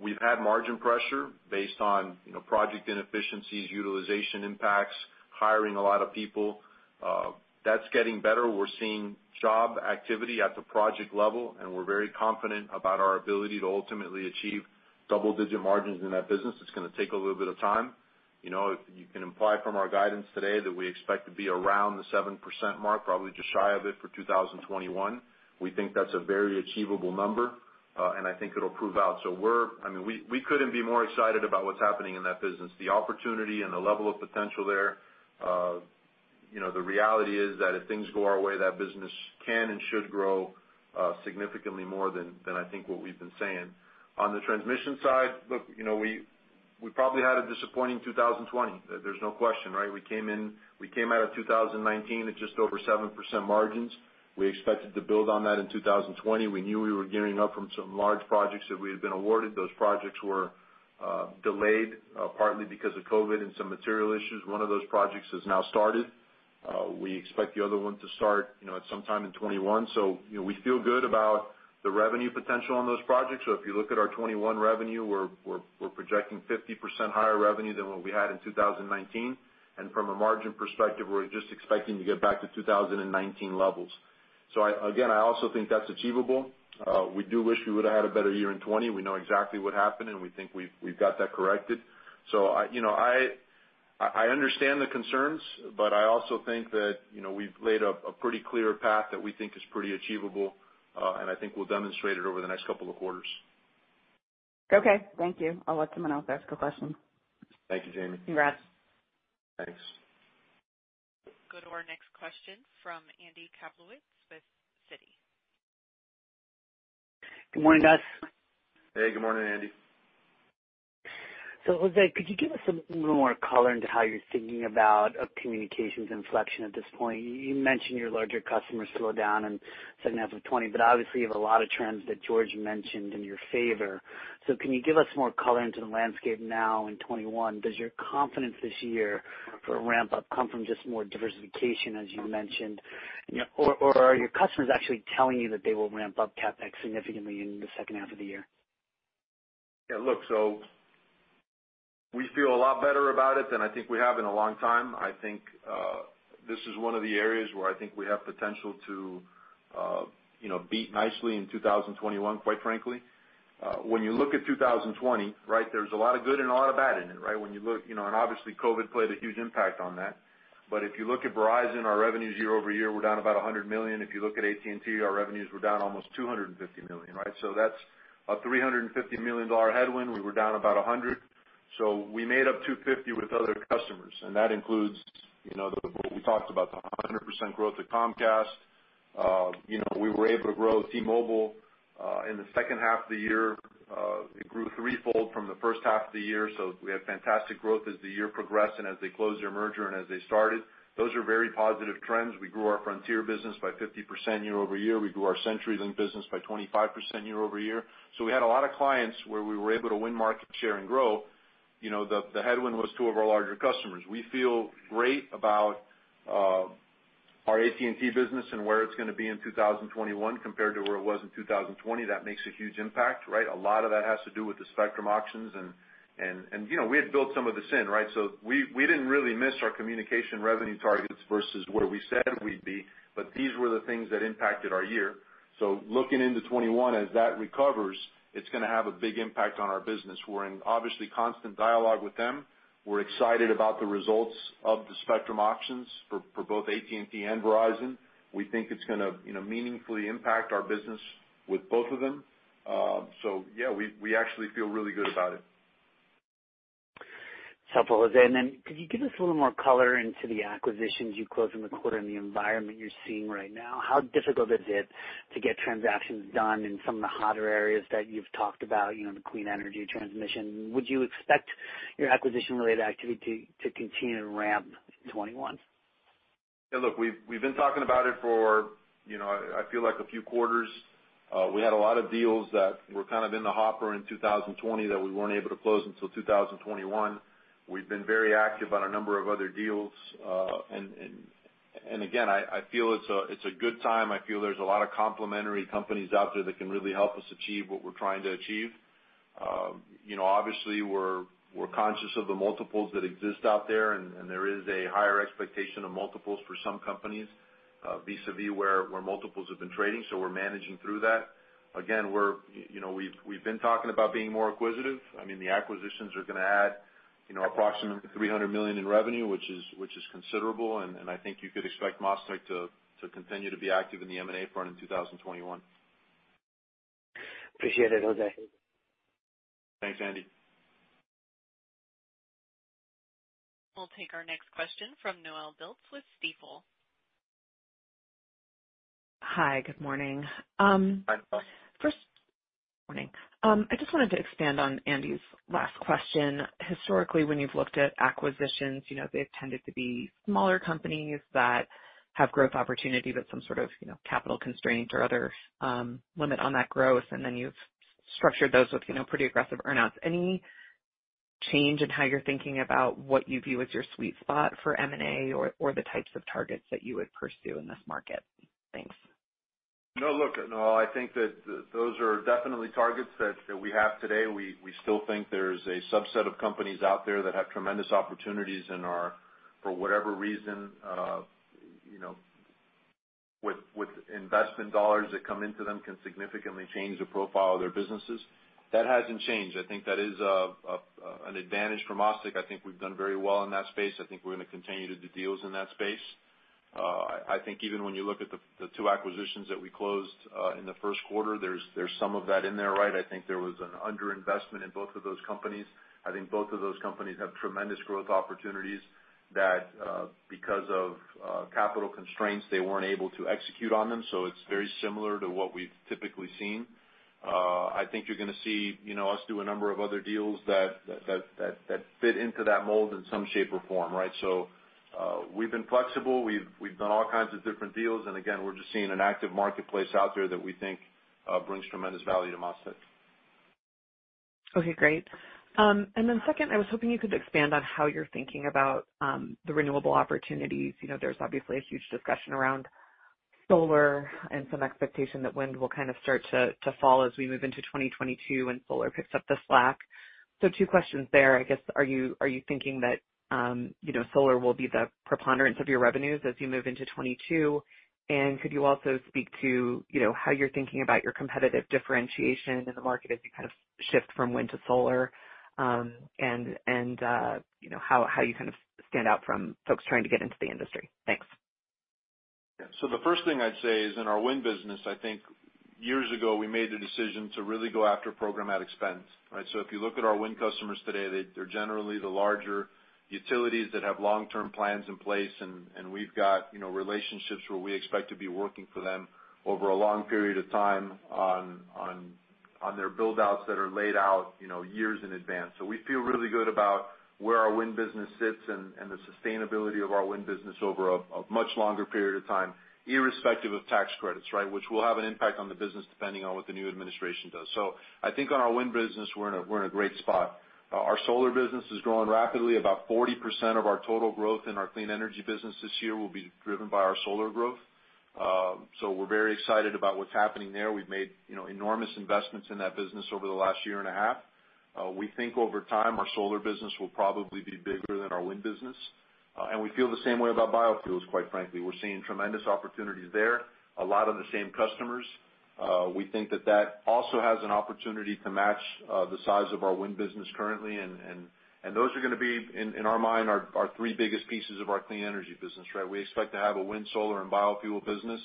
We've had margin pressure based on, you know, project inefficiencies, utilization impacts, hiring a lot of people. That's getting better. We're seeing job activity at the project level, and we're very confident about our ability to ultimately achieve double-digit margins in that business. It's gonna take a little bit of time. You know, you can imply from our guidance today that we expect to be around the 7% mark, probably just shy of it for 2021. We think that's a very achievable number, and I think it'll prove out. I mean, we couldn't be more excited about what's happening in that business. The opportunity and the level of potential there, you know, the reality is that if things go our way, that business can and should grow significantly more than I think what we've been saying. On the transmission side, look, you know, we probably had a disappointing 2020. There's no question, right? We came out of 2019 at just over 7% margins. We expected to build on that in 2020. We knew we were gearing up from some large projects that we had been awarded. Those projects were delayed, partly because of COVID and some material issues. One of those projects has now started. We expect the other one to start, you know, at some time in 2021. You know, we feel good about the revenue potential on those projects. If you look at our '21 revenue, we're projecting 50% higher revenue than what we had in 2019. From a margin perspective, we're just expecting to get back to 2019 levels. I, again, I also think that's achievable. We do wish we would've had a better year in '20. We know exactly what happened, and we think we've got that corrected. I, you know, I understand the concerns, but I also think that, you know, we've laid a pretty clear path that we think is pretty achievable, and I think we'll demonstrate it over the next couple of quarters. Okay, thank you. I'll let someone else ask a question. Thank you, Jamie. Congrats. Thanks. Go to our next question from Andy Kaplowitz with Citi. Good morning, guys. Hey, good morning, Andy. Jose, could you give us a little more color into how you're thinking about a communications inflection at this point? You mentioned your larger customers slowed down in second half of 2020, obviously, you have a lot of trends that George mentioned in your favor. Can you give us more color into the landscape now in 2021? Does your confidence this year for a ramp-up come from just more diversification, as you mentioned, you know, or are your customers actually telling you that they will ramp up CapEx significantly in the second half of the year? Yeah, look, we feel a lot better about it than I think we have in a long time. I think, this is one of the areas where I think we have potential to, you know, beat nicely in 2021, quite frankly. When you look at 2020, right, there's a lot of good and a lot of bad in it, right? When you look, you know, and obviously, COVID played a huge impact on that. If you look at Verizon, our revenues year-over-year were down about $100 million. If you look at AT&T, our revenues were down almost $250 million, right? That's a $350 million headwind. We were down about 100. We made up 250 with other customers, and that includes, you know, the, what we talked about, the 100% growth at Comcast. You know, we were able to grow T-Mobile in the second half of the year. It grew threefold from the first half of the year. We had fantastic growth as the year progressed and as they closed their merger and as they started. Those are very positive trends. We grew our Frontier business by 50% year-over-year. We grew our CenturyLink business by 25% year-over-year. We had a lot of clients where we were able to win market share and grow. You know, the headwind was two of our larger customers. We feel great about our AT&T business and where it's gonna be in 2021 compared to where it was in 2020. That makes a huge impact, right? A lot of that has to do with the spectrum auctions and, you know, we had built some of this in, right? We didn't really miss our communication revenue targets versus where we said we'd be, but these were the things that impacted our year. Looking into 2021, as that recovers, it's gonna have a big impact on our business. We're in, obviously, constant dialogue with them. We're excited about the results of the spectrum auctions for both AT&T and Verizon. We think it's gonna, you know, meaningfully impact our business with both of them. Yeah, we actually feel really good about it. ... helpful, Jose. Could you give us a little more color into the acquisitions you closed in the quarter and the environment you're seeing right now? How difficult is it to get transactions done in some of the hotter areas that you've talked about, you know, the clean energy transmission? Would you expect your acquisition-related activity to continue to ramp 2021? Yeah, look, we've been talking about it for, you know, I feel like a few quarters. We had a lot of deals that were kind of in the hopper in 2020 that we weren't able to close until 2021. We've been very active on a number of other deals, and again, I feel it's a good time. I feel there's a lot of complementary companies out there that can really help us achieve what we're trying to achieve. You know, obviously, we're conscious of the multiples that exist out there, and there is a higher expectation of multiples for some companies, vis-a-vis where multiples have been trading, so we're managing through that. Again, we're, you know, we've been talking about being more acquisitive. I mean, the acquisitions are gonna add, you know, approximately $300 million in revenue, which is considerable, and I think you could expect MasTec to continue to be active in the M&A front in 2021. Appreciate it, Jose. Thanks, Andy. We'll take our next question from Noelle Dilts with Stifel. Hi, good morning. Hi, Noelle. First, morning. I just wanted to expand on Andy's last question. Historically, when you've looked at acquisitions, you know, they've tended to be smaller companies that have growth opportunity, but some sort of, you know, capital constraints or other limit on that growth, and then you've structured those with, you know, pretty aggressive earnouts. Any change in how you're thinking about what you view as your sweet spot for M&A or the types of targets that you would pursue in this market? Thanks. No, look, Noelle, I think that those are definitely targets that we have today. We, we still think there's a subset of companies out there that have tremendous opportunities and are, for whatever reason, you know, with investment dollars that come into them, can significantly change the profile of their businesses. That hasn't changed. I think that is an advantage for MasTec. I think we've done very well in that space. I think we're gonna continue to do deals in that space. I think even when you look at the two acquisitions that we closed in the first quarter, there's some of that in there, right? I think there was an underinvestment in both of those companies. I think both of those companies have tremendous growth opportunities that, because of, capital constraints, they weren't able to execute on them. It's very similar to what we've typically seen. I think you're gonna see, you know, us do a number of other deals that fit into that mold in some shape or form, right? We've been flexible. We've done all kinds of different deals, and again, we're just seeing an active marketplace out there that we think, brings tremendous value to MasTec. Okay, great. Then second, I was hoping you could expand on how you're thinking about the renewable opportunities. You know, there's obviously a huge discussion around solar and some expectation that wind will kind of start to fall as we move into 2022, and solar picks up the slack. Two questions there, I guess. Are you thinking that, you know, solar will be the preponderance of your revenues as you move into 2022? Could you also speak to, you know, how you're thinking about your competitive differentiation in the market as you kind of shift from wind to solar, and, you know, how you kind of stand out from folks trying to get into the industry? Thanks. Yeah. The first thing I'd say is in our wind business, I think years ago, we made the decision to really go after program at expense, right? If you look at our wind customers today, they're generally the larger utilities that have long-term plans in place, and we've got, you know, relationships where we expect to be working for them over a long period of time on their build-outs that are laid out, you know, years in advance. We feel really good about where our wind business sits and the sustainability of our wind business over a much longer period of time, irrespective of tax credits, right? Which will have an impact on the business, depending on what the new administration does. I think on our wind business, we're in a great spot. Our solar business is growing rapidly. About 40% of our total growth in our clean energy business this year will be driven by our solar growth. We're very excited about what's happening there. We've made, you know, enormous investments in that business over the last year and a half. We think over time, our solar business will probably be bigger than our wind business, and we feel the same way about biofuels, quite frankly. We're seeing tremendous opportunities there, a lot of the same customers. We think that that also has an opportunity to match the size of our wind business currently, and those are gonna be, in our mind, our three biggest pieces of our clean energy business, right? We expect to have a wind, solar, and biofuel business,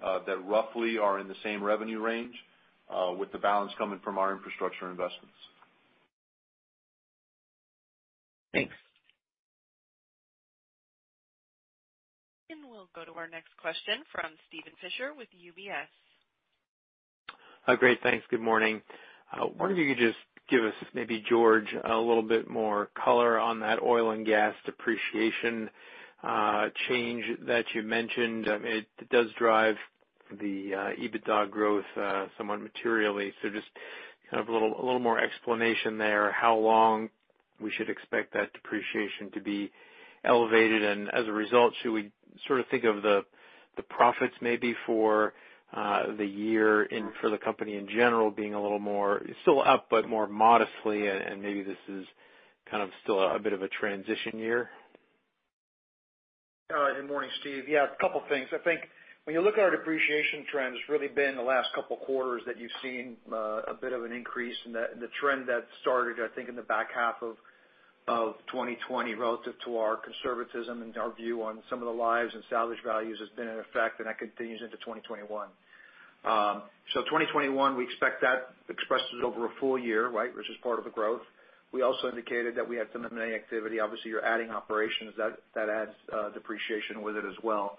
that roughly are in the same revenue range, with the balance coming from our infrastructure investments. Thanks. We'll go to our next question from Steven Fisher with UBS. Great, thanks. Good morning. Wonder if you could just give us, maybe George, a little bit more color on that oil and gas depreciation change that you mentioned. I mean, it does drive the EBITDA growth somewhat materially, just kind of a little more explanation there: how long we should expect that depreciation to be elevated, and as a result, should we sort of think of the profits maybe for the year in, for the company in general, being a little more, still up, but more modestly, and maybe this is kind of still a bit of a transition year? Good morning, Steve. A couple things. I think when you look at our depreciation trends, it's really been the last couple of quarters that you've seen a bit of an increase in the trend that started, I think, in the back half of 2020, relative to our conservatism and our view on some of the lives and salvage values has been in effect. That continues into 2021. 2021, we expect that expresses over a full year, right? Which is part of the growth. We also indicated that we had some M&A activity. Obviously, you're adding operations, that adds depreciation with it as well.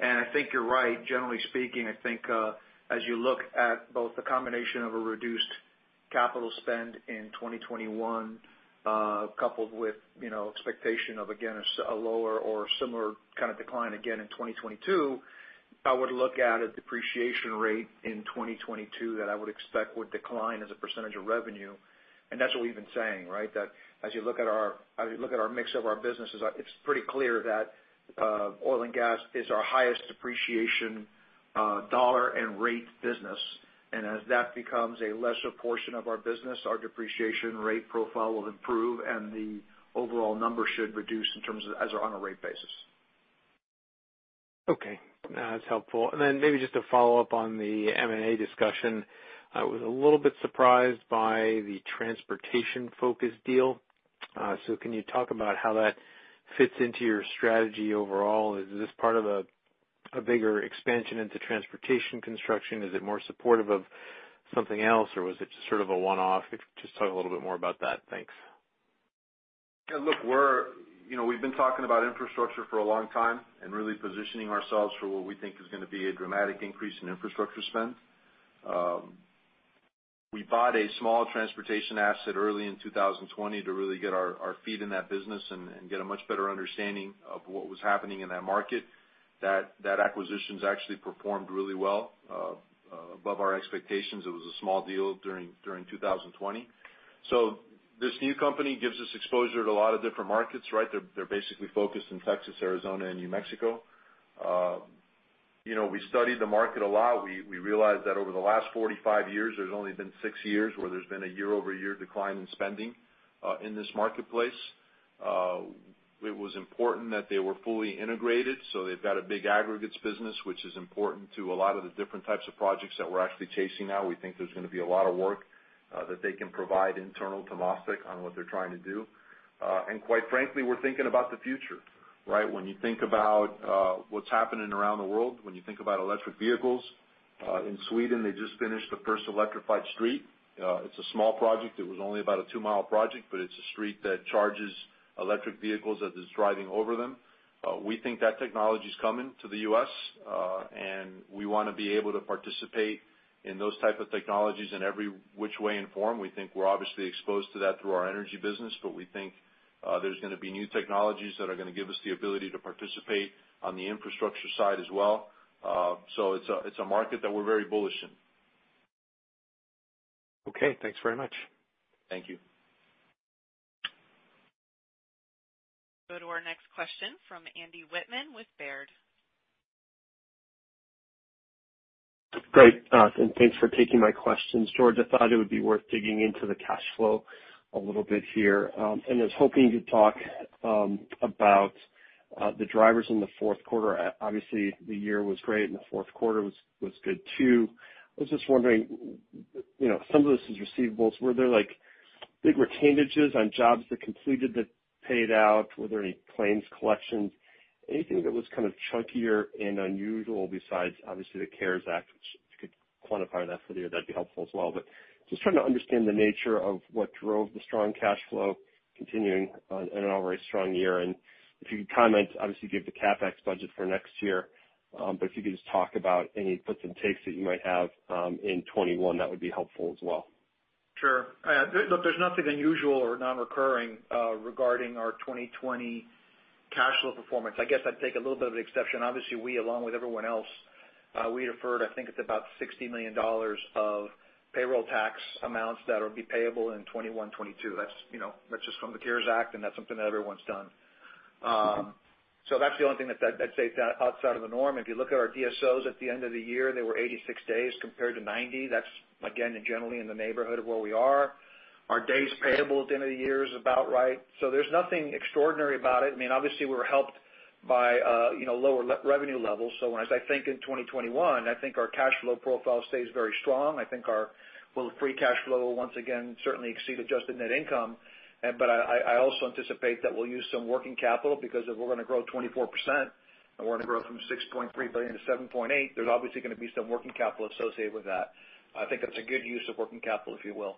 I think you're right. Generally speaking, I think, as you look at both the combination of a reduced capital spend in 2021, coupled with, you know, expectation of, again, a lower or similar kind of decline again in 2022, I would look at a depreciation rate in 2022 that I would expect would decline as a % of revenue, and that's what we've been saying, right? That as you look at our mix of our businesses, it's pretty clear that oil and gas is our highest depreciation, dollar and rate business. As that becomes a lesser portion of our business, our depreciation rate profile will improve, and the overall number should reduce in terms of as on a rate basis. Okay. That's helpful. Maybe just to follow up on the M&A discussion. I was a little bit surprised by the transportation-focused deal. Can you talk about how that fits into your strategy overall? Is this part of a bigger expansion into transportation construction? Is it more supportive of something else, or was it just sort of a one-off? If you could just talk a little bit more about that. Thanks. We're, you know, we've been talking about infrastructure for a long time and really positioning ourselves for what we think is gonna be a dramatic increase in infrastructure spend. We bought a small transportation asset early in 2020 to really get our feet in that business and get a much better understanding of what was happening in that market. That acquisition's actually performed really well above our expectations. It was a small deal during 2020. This new company gives us exposure to a lot of different markets, right? They're basically focused in Texas, Arizona, and New Mexico. You know, we studied the market a lot. We realized that over the last 45 years, there's only been six years where there's been a year-over-year decline in spending in this marketplace. It was important that they were fully integrated, so they've got a big aggregates business, which is important to a lot of the different types of projects that we're actually chasing now. We think there's gonna be a lot of work that they can provide internal to MasTec on what they're trying to do. Quite frankly, we're thinking about the future, right? When you think about what's happening around the world, when you think about electric vehicles, in Sweden, they just finished the first electrified street. It's a small project. It was only about a 2-mile project, but it's a street that charges electric vehicles as it's driving over them. We think that technology is coming to the U.S., and we wanna be able to participate in those type of technologies in every which way and form. We think we're obviously exposed to that through our energy business, but we think, there's gonna be new technologies that are gonna give us the ability to participate on the infrastructure side as well. It's a market that we're very bullish in. Okay, thanks very much. Thank you. Go to our next question from Andy Wittmann with Baird. Great, and thanks for taking my questions. George, I thought it would be worth digging into the cash flow a little bit here, and I was hoping you'd talk about the drivers in the fourth quarter. Obviously, the year was great, and the fourth quarter was good too. I was just wondering, you know, some of this is receivables. Were there, like, big retainages on jobs that completed that paid out? Were there any claims collections? Anything that was kind of chunkier and unusual besides, obviously, the CARES Act, which if you could quantify that for the year, that'd be helpful as well. Just trying to understand the nature of what drove the strong cash flow continuing on an already strong year, and if you could comment, obviously, you gave the CapEx budget for next year, but if you could just talk about any puts and takes that you might have, in 2021, that would be helpful as well. Sure. Look, there's nothing unusual or non-recurring regarding our 2020 cash flow performance. I guess I'd take a little bit of an exception. Obviously, we, along with everyone else, we deferred, I think it's about $60 million of payroll tax amounts that will be payable in 2021, 2022. That's, you know, that's just from the CARES Act, that's something that everyone's done. That's the only thing that I'd say outside of the norm. If you look at our DSOs at the end of the year, they were 86 days compared to 90. That's, again, generally in the neighborhood of where we are. Our days payable at the end of the year is about right. There's nothing extraordinary about it. I mean, obviously, we were helped by, you know, lower revenue levels. As I think in 2021, I think our cash flow profile stays very strong. I think our, well, free cash flow will once again certainly exceed adjusted net income. But I also anticipate that we'll use some working capital because if we're gonna grow 24% and we're gonna grow from $6.3 billion to $7.8 billion, there's obviously gonna be some working capital associated with that. I think that's a good use of working capital, if you will,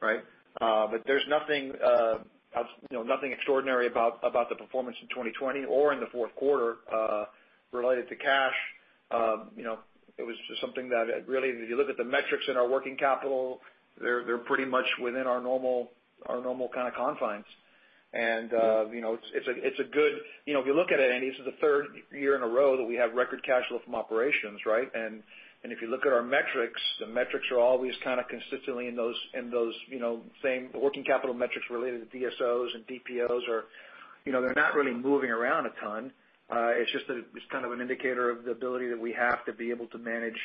right? But there's nothing, you know, nothing extraordinary about the performance in 2020 or in the fourth quarter, related to cash. You know, it was just something that, really, if you look at the metrics in our working capital, they're pretty much within our normal kind of confines. You know, if you look at it, Andy, this is the third year in a row that we have record cash flow from operations, right? If you look at our metrics, the metrics are always kind of consistently in those, you know, same working capital metrics related to DSOs and DPOs are, you know, they're not really moving around a ton. It's just that it's kind of an indicator of the ability that we have to be able to manage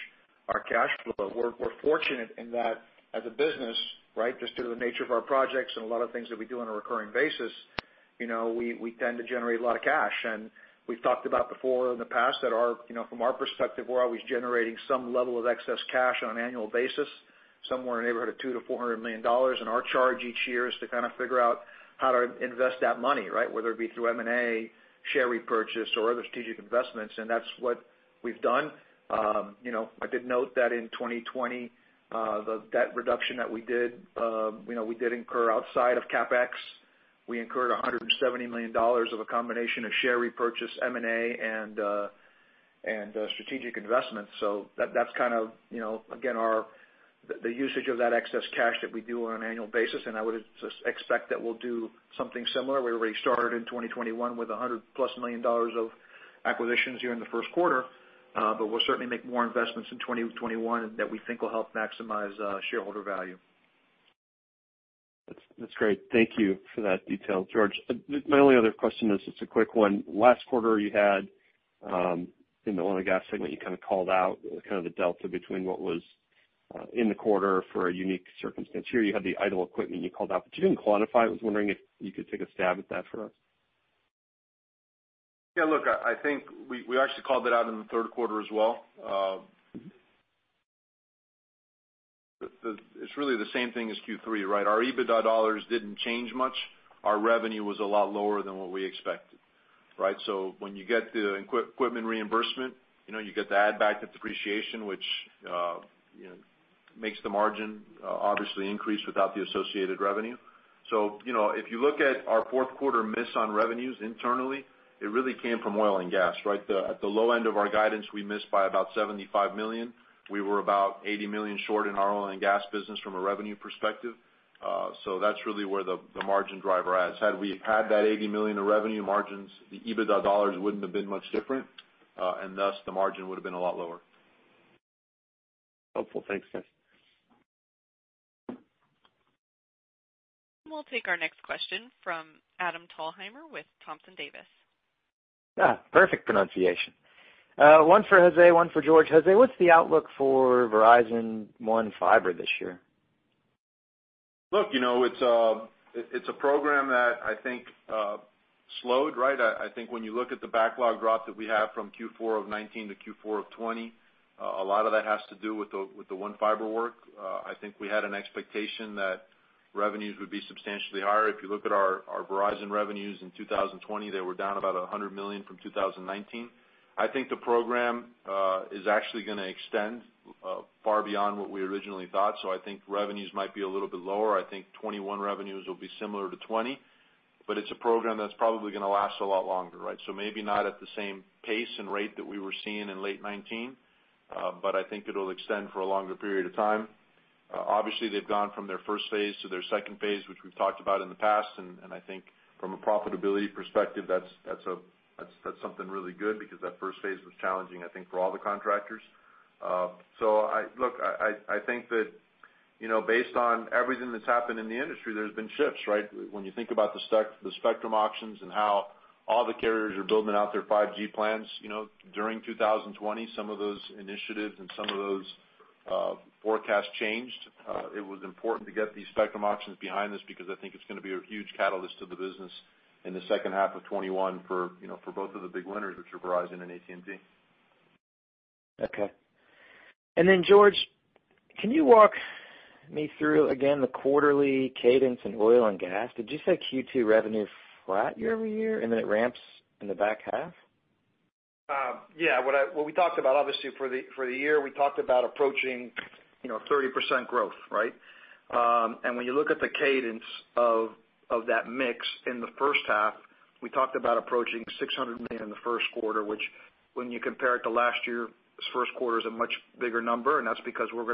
our cash flow. We're fortunate in that as a business, right, just due to the nature of our projects and a lot of things that we do on a recurring basis, you know, we tend to generate a lot of cash. We've talked about before in the past that our, you know, from our perspective, we're always generating some level of excess cash on an annual basis. Somewhere in the neighborhood of $200 million-$400 million, Our charge each year is to kind of figure out how to invest that money, right? Whether it be through M&A, share repurchase, or other strategic investments, That's what we've done. You know, I did note that in 2020, the debt reduction that we did, you know, we did incur outside of CapEx, we incurred $170 million of a combination of share repurchase, M&A, and strategic investments. That's kind of, you know, again, the usage of that excess cash that we do on an annual basis, and I would expect that we'll do something similar. We already started in 2021 with $100+ million of acquisitions here in the first quarter, but we'll certainly make more investments in 2021 that we think will help maximize shareholder value. That's great. Thank you for that detail, George. My only other question is, it's a quick one. Last quarter, you had in the oil and gas segment, you kind of called out kind of the delta between what was in the quarter for a unique circumstance. Here, you had the idle equipment you called out, but you didn't quantify it. I was wondering if you could take a stab at that for us. Yeah, look, I think we actually called that out in the third quarter as well. It's really the same thing as Q3, right? Our EBITDA dollars didn't change much. Our revenue was a lot lower than what we expected, right? When you get the equipment reimbursement, you know, you get the add back to depreciation, which, you know, makes the margin obviously increase without the associated revenue. You know, if you look at our fourth quarter miss on revenues internally, it really came from oil and gas, right? At the low end of our guidance, we missed by about $75 million. We were about $80 million short in our oil and gas business from a revenue perspective. That's really where the margin driver is. Had we had that $80 million in revenue margins, the EBITDA dollars wouldn't have been much different, and thus, the margin would've been a lot lower. Helpful. Thanks, guys. We'll take our next question from Adam Thalhimer with Thompson Davis. Perfect pronunciation. One for Jose, one for George. Jose, what's the outlook for Verizon One Fiber this year? Look, you know, it's a program that I think slowed, right? I think when you look at the backlog drop that we have from Q4 of 2019 to Q4 of 2020, a lot of that has to do with the One Fiber work. I think we had an expectation that revenues would be substantially higher. If you look at our Verizon revenues in 2020, they were down about $100 million from 2019. I think the program is actually gonna extend far beyond what we originally thought. I think revenues might be a little bit lower. I think 2021 revenues will be similar to 2020. It's a program that's probably gonna last a lot longer, right? Maybe not at the same pace and rate that we were seeing in late 2019, but I think it'll extend for a longer period of time. Obviously, they've gone from their first phase to their second phase, which we've talked about in the past, and I think from a profitability perspective, that's something really good because that first phase was challenging, I think, for all the contractors. I think that, you know, based on everything that's happened in the industry, there's been shifts, right? When you think about the spectrum auctions and how all the carriers are building out their 5G plans, you know, during 2020, some of those initiatives and some of those forecasts changed. It was important to get these spectrum auctions behind us because I think it's gonna be a huge catalyst to the business in the second half of 2021 for, you know, for both of the big winners, which are Verizon and AT&T. Okay. Then George, can you walk me through again the quarterly cadence in oil and gas? Did you say Q2 revenue flat year-over-year, and then it ramps in the back half? Yeah. What we talked about, obviously, for the year, we talked about approaching, you know, 30% growth, right? When you look at the cadence of that mix in the first half, we talked about approaching $600 million in the first quarter, which when you compare it to last year's first quarter, is a much bigger number, and that's because we're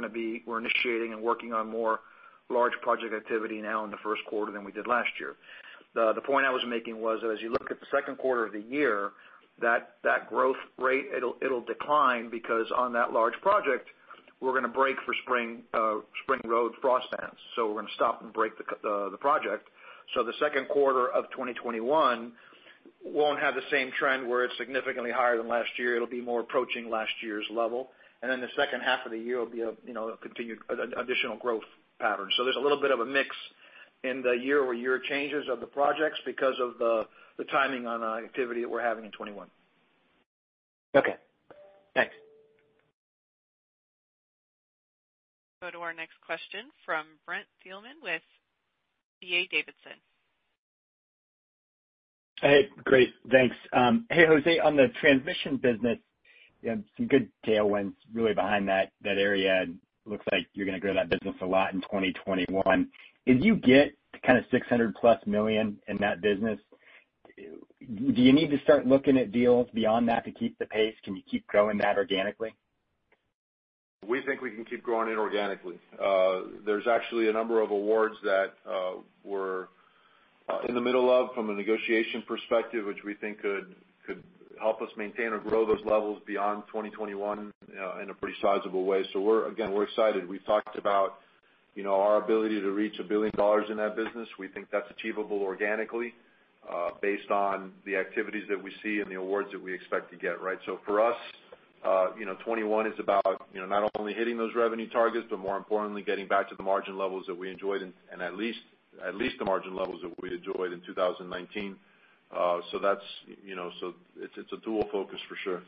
initiating and working on more large project activity now in the first quarter than we did last year. The point I was making was that as you look at the second quarter of the year, that growth rate, it'll decline because on that large project, we're gonna break for spring road frost bans. We're gonna stop and break the project. The second quarter of 2021 won't have the same trend where it's significantly higher than last year. It'll be more approaching last year's level, and then the second half of the year will be a, you know, a continued, additional growth pattern. There's a little bit of a mix in the year-over-year changes of the projects because of the timing on activity that we're having in 2021. Okay. Thanks. Go to our next question from Brent Thielman with D.A. Davidson. Great. Thanks. Jose, on the transmission business, you had some good tailwinds really behind that area. Looks like you're gonna grow that business a lot in 2021. If you get to kind of $600+ million in that business, do you need to start looking at deals beyond that to keep the pace? Can you keep growing that organically? We think we can keep growing it organically. We think there's actually a number of awards that we're in the middle of from a negotiation perspective, which we think could help us maintain or grow those levels beyond 2021 in a pretty sizable way. We're, again, we're excited. We've talked about, you know, our ability to reach $1 billion in that business. We think that's achievable organically, based on the activities that we see and the awards that we expect to get, right? For us, you know, 2021 is about, you know, not only hitting those revenue targets, but more importantly, getting back to the margin levels that we enjoyed and at least the margin levels that we enjoyed in 2019. That's, you know, it's a dual focus for sure.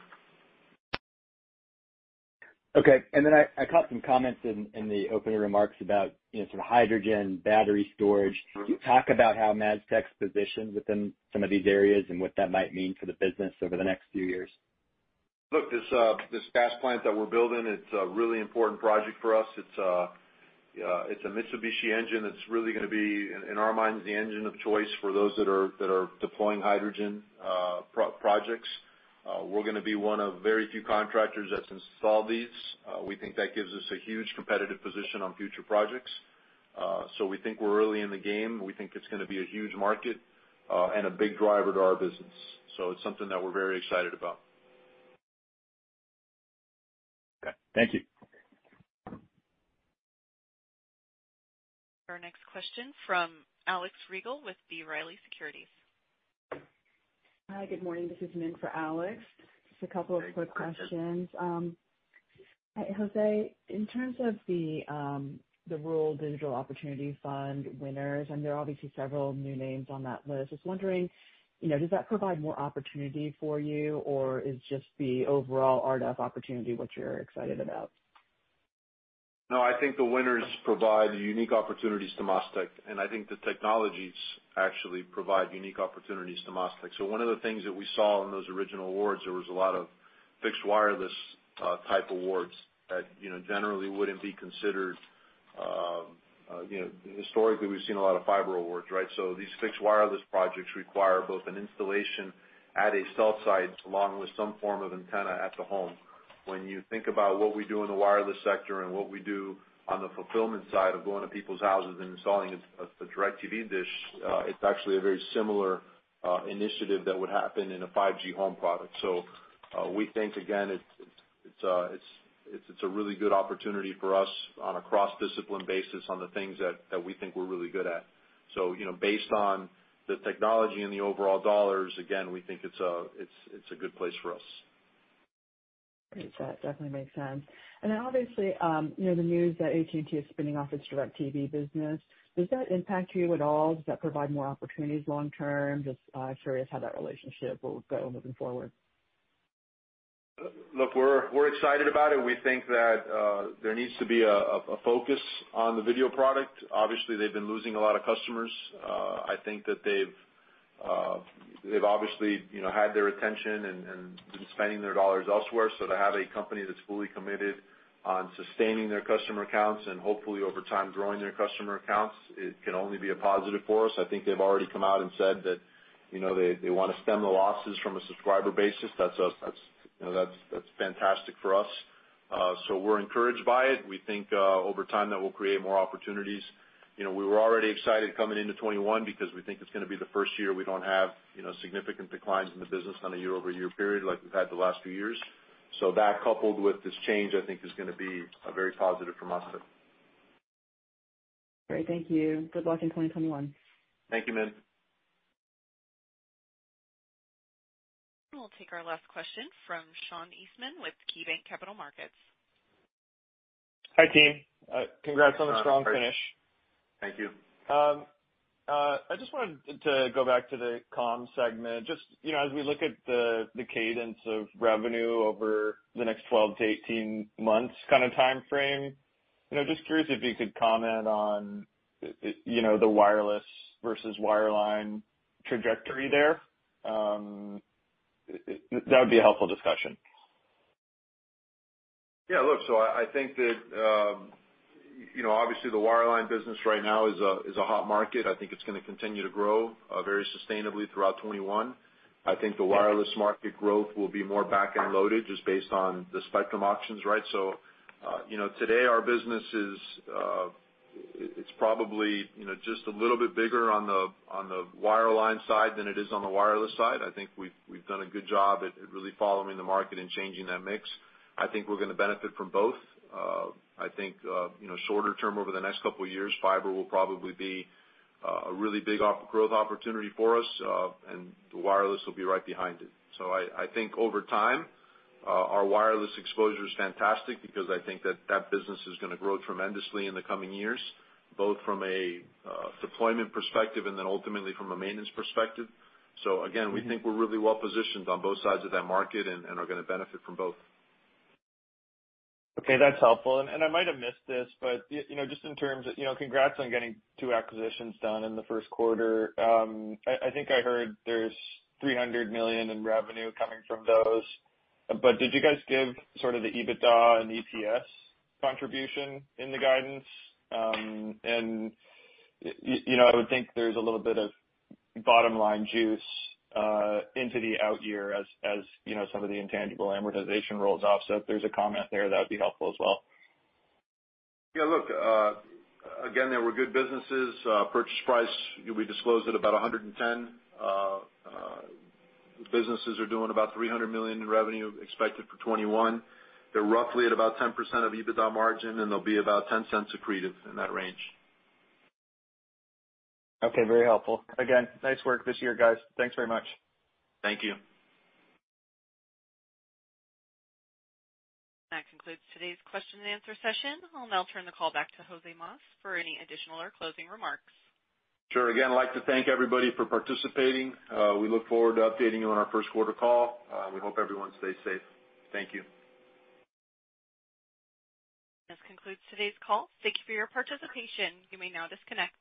Okay, I caught some comments in the opening remarks about, you know, sort of hydrogen, battery storage. Can you talk about how MasTec's positioned within some of these areas and what that might mean for the business over the next few years? Look, this gas plant that we're building, it's a really important project for us. It's a Mitsubishi engine that's really gonna be, in our minds, the engine of choice for those that are deploying hydrogen projects. We're gonna be one of very few contractors that's installed these. We think that gives us a huge competitive position on future projects. We think we're early in the game. We think it's gonna be a huge market and a big driver to our business. It's something that we're very excited about. Okay, thank you. Our next question from Alex Rygiel with B. Riley Securities. Hi, good morning. This is Min for Alex. Just a couple of quick questions. Jose, in terms of the Rural Digital Opportunity Fund winners, and there are obviously several new names on that list. Just wondering, you know, does that provide more opportunity for you, or is just the overall RDOF opportunity what you're excited about? I think the winners provide unique opportunities to MasTec, and I think the technologies actually provide unique opportunities to MasTec. One of the things that we saw in those original awards, there was a lot of fixed wireless type awards that, you know, generally wouldn't be considered. You know, historically, we've seen a lot of fiber awards, right? These fixed wireless projects require both an installation at a cell site, along with some form of antenna at the home. When you think about what we do in the wireless sector and what we do on the fulfillment side of going to people's houses and installing a DirecTV dish, it's actually a very similar initiative that would happen in a 5G home product. We think, again, it's a really good opportunity for us on a cross-discipline basis on the things that we think we're really good at. You know, based on the technology and the overall dollars, again, we think it's a good place for us. Great. That definitely makes sense. Then obviously, you know, the news that AT&T is spinning off its DirecTV business, does that impact you at all? Does that provide more opportunities long term? Just curious how that relationship will go moving forward. Look, we're excited about it. We think that there needs to be a focus on the video product. Obviously, they've been losing a lot of customers. I think that they've obviously, you know, had their attention and been spending their dollars elsewhere. To have a company that's fully committed on sustaining their customer accounts and hopefully over time, growing their customer accounts, it can only be a positive for us. I think they've already come out and said that, you know, they want to stem the losses from a subscriber basis. That's, you know, that's fantastic for us. We're encouraged by it. We think over time, that will create more opportunities. You know, we were already excited coming into 2021 because we think it's gonna be the first year we don't have, you know, significant declines in the business on a year-over-year period like we've had the last few years. That, coupled with this change, I think is gonna be very positive for MasTec. Great. Thank you. Good luck in 2021. Thank you, Min. We'll take our last question from Sean Eastman with KeyBanc Capital Markets. Hi, team. Congrats on the strong finish. Thank you. I just wanted to go back to the comm segment. Just, you know, as we look at the cadence of revenue over the next 12 to 18 months kind of time frame, you know, just curious if you could comment on, you know, the wireless versus wireline trajectory there. That would be a helpful discussion. Yeah, look, I think that, you know, obviously the wireline business right now is a hot market. I think it's gonna continue to grow very sustainably throughout 2021. I think the wireless market growth will be more back-end loaded just based on the spectrum auctions, right? You know, today, our business is, it's probably, you know, just a little bit bigger on the wireline side than it is on the wireless side. I think we've done a good job at really following the market and changing that mix. I think we're gonna benefit from both. I think, you know, shorter term, over the next couple of years, fiber will probably be a really big growth opportunity for us, and the wireless will be right behind it. I think over time, our wireless exposure is fantastic because I think that business is gonna grow tremendously in the coming years, both from a deployment perspective and then ultimately from a maintenance perspective. Again, we think we're really well positioned on both sides of that market and are gonna benefit from both. Okay, that's helpful. I might have missed this, but, you know, just in terms of, you know, congrats on getting 2 acquisitions done in the first quarter. I think I heard there's $300 million in revenue coming from those, but did you guys give sort of the EBITDA and EPS contribution in the guidance? You know, I would think there's a little bit of bottom-line juice into the out year as, you know, some of the intangible amortization rolls off. If there's a comment there, that would be helpful as well. Yeah, look, again, they were good businesses. Purchase price, we disclosed at about $110. Businesses are doing about $300 million in revenue, expected for 2021. They're roughly at about 10% of EBITDA margin, and they'll be about $0.10 accretive in that range. Okay, very helpful. Again, nice work this year, guys. Thanks very much. Thank you. That concludes today's question and answer session. I'll now turn the call back to Jose Mas for any additional or closing remarks. Sure. Again, I'd like to thank everybody for participating. We look forward to updating you on our first quarter call. We hope everyone stays safe. Thank you. This concludes today's call. Thank you for your participation. You may now disconnect.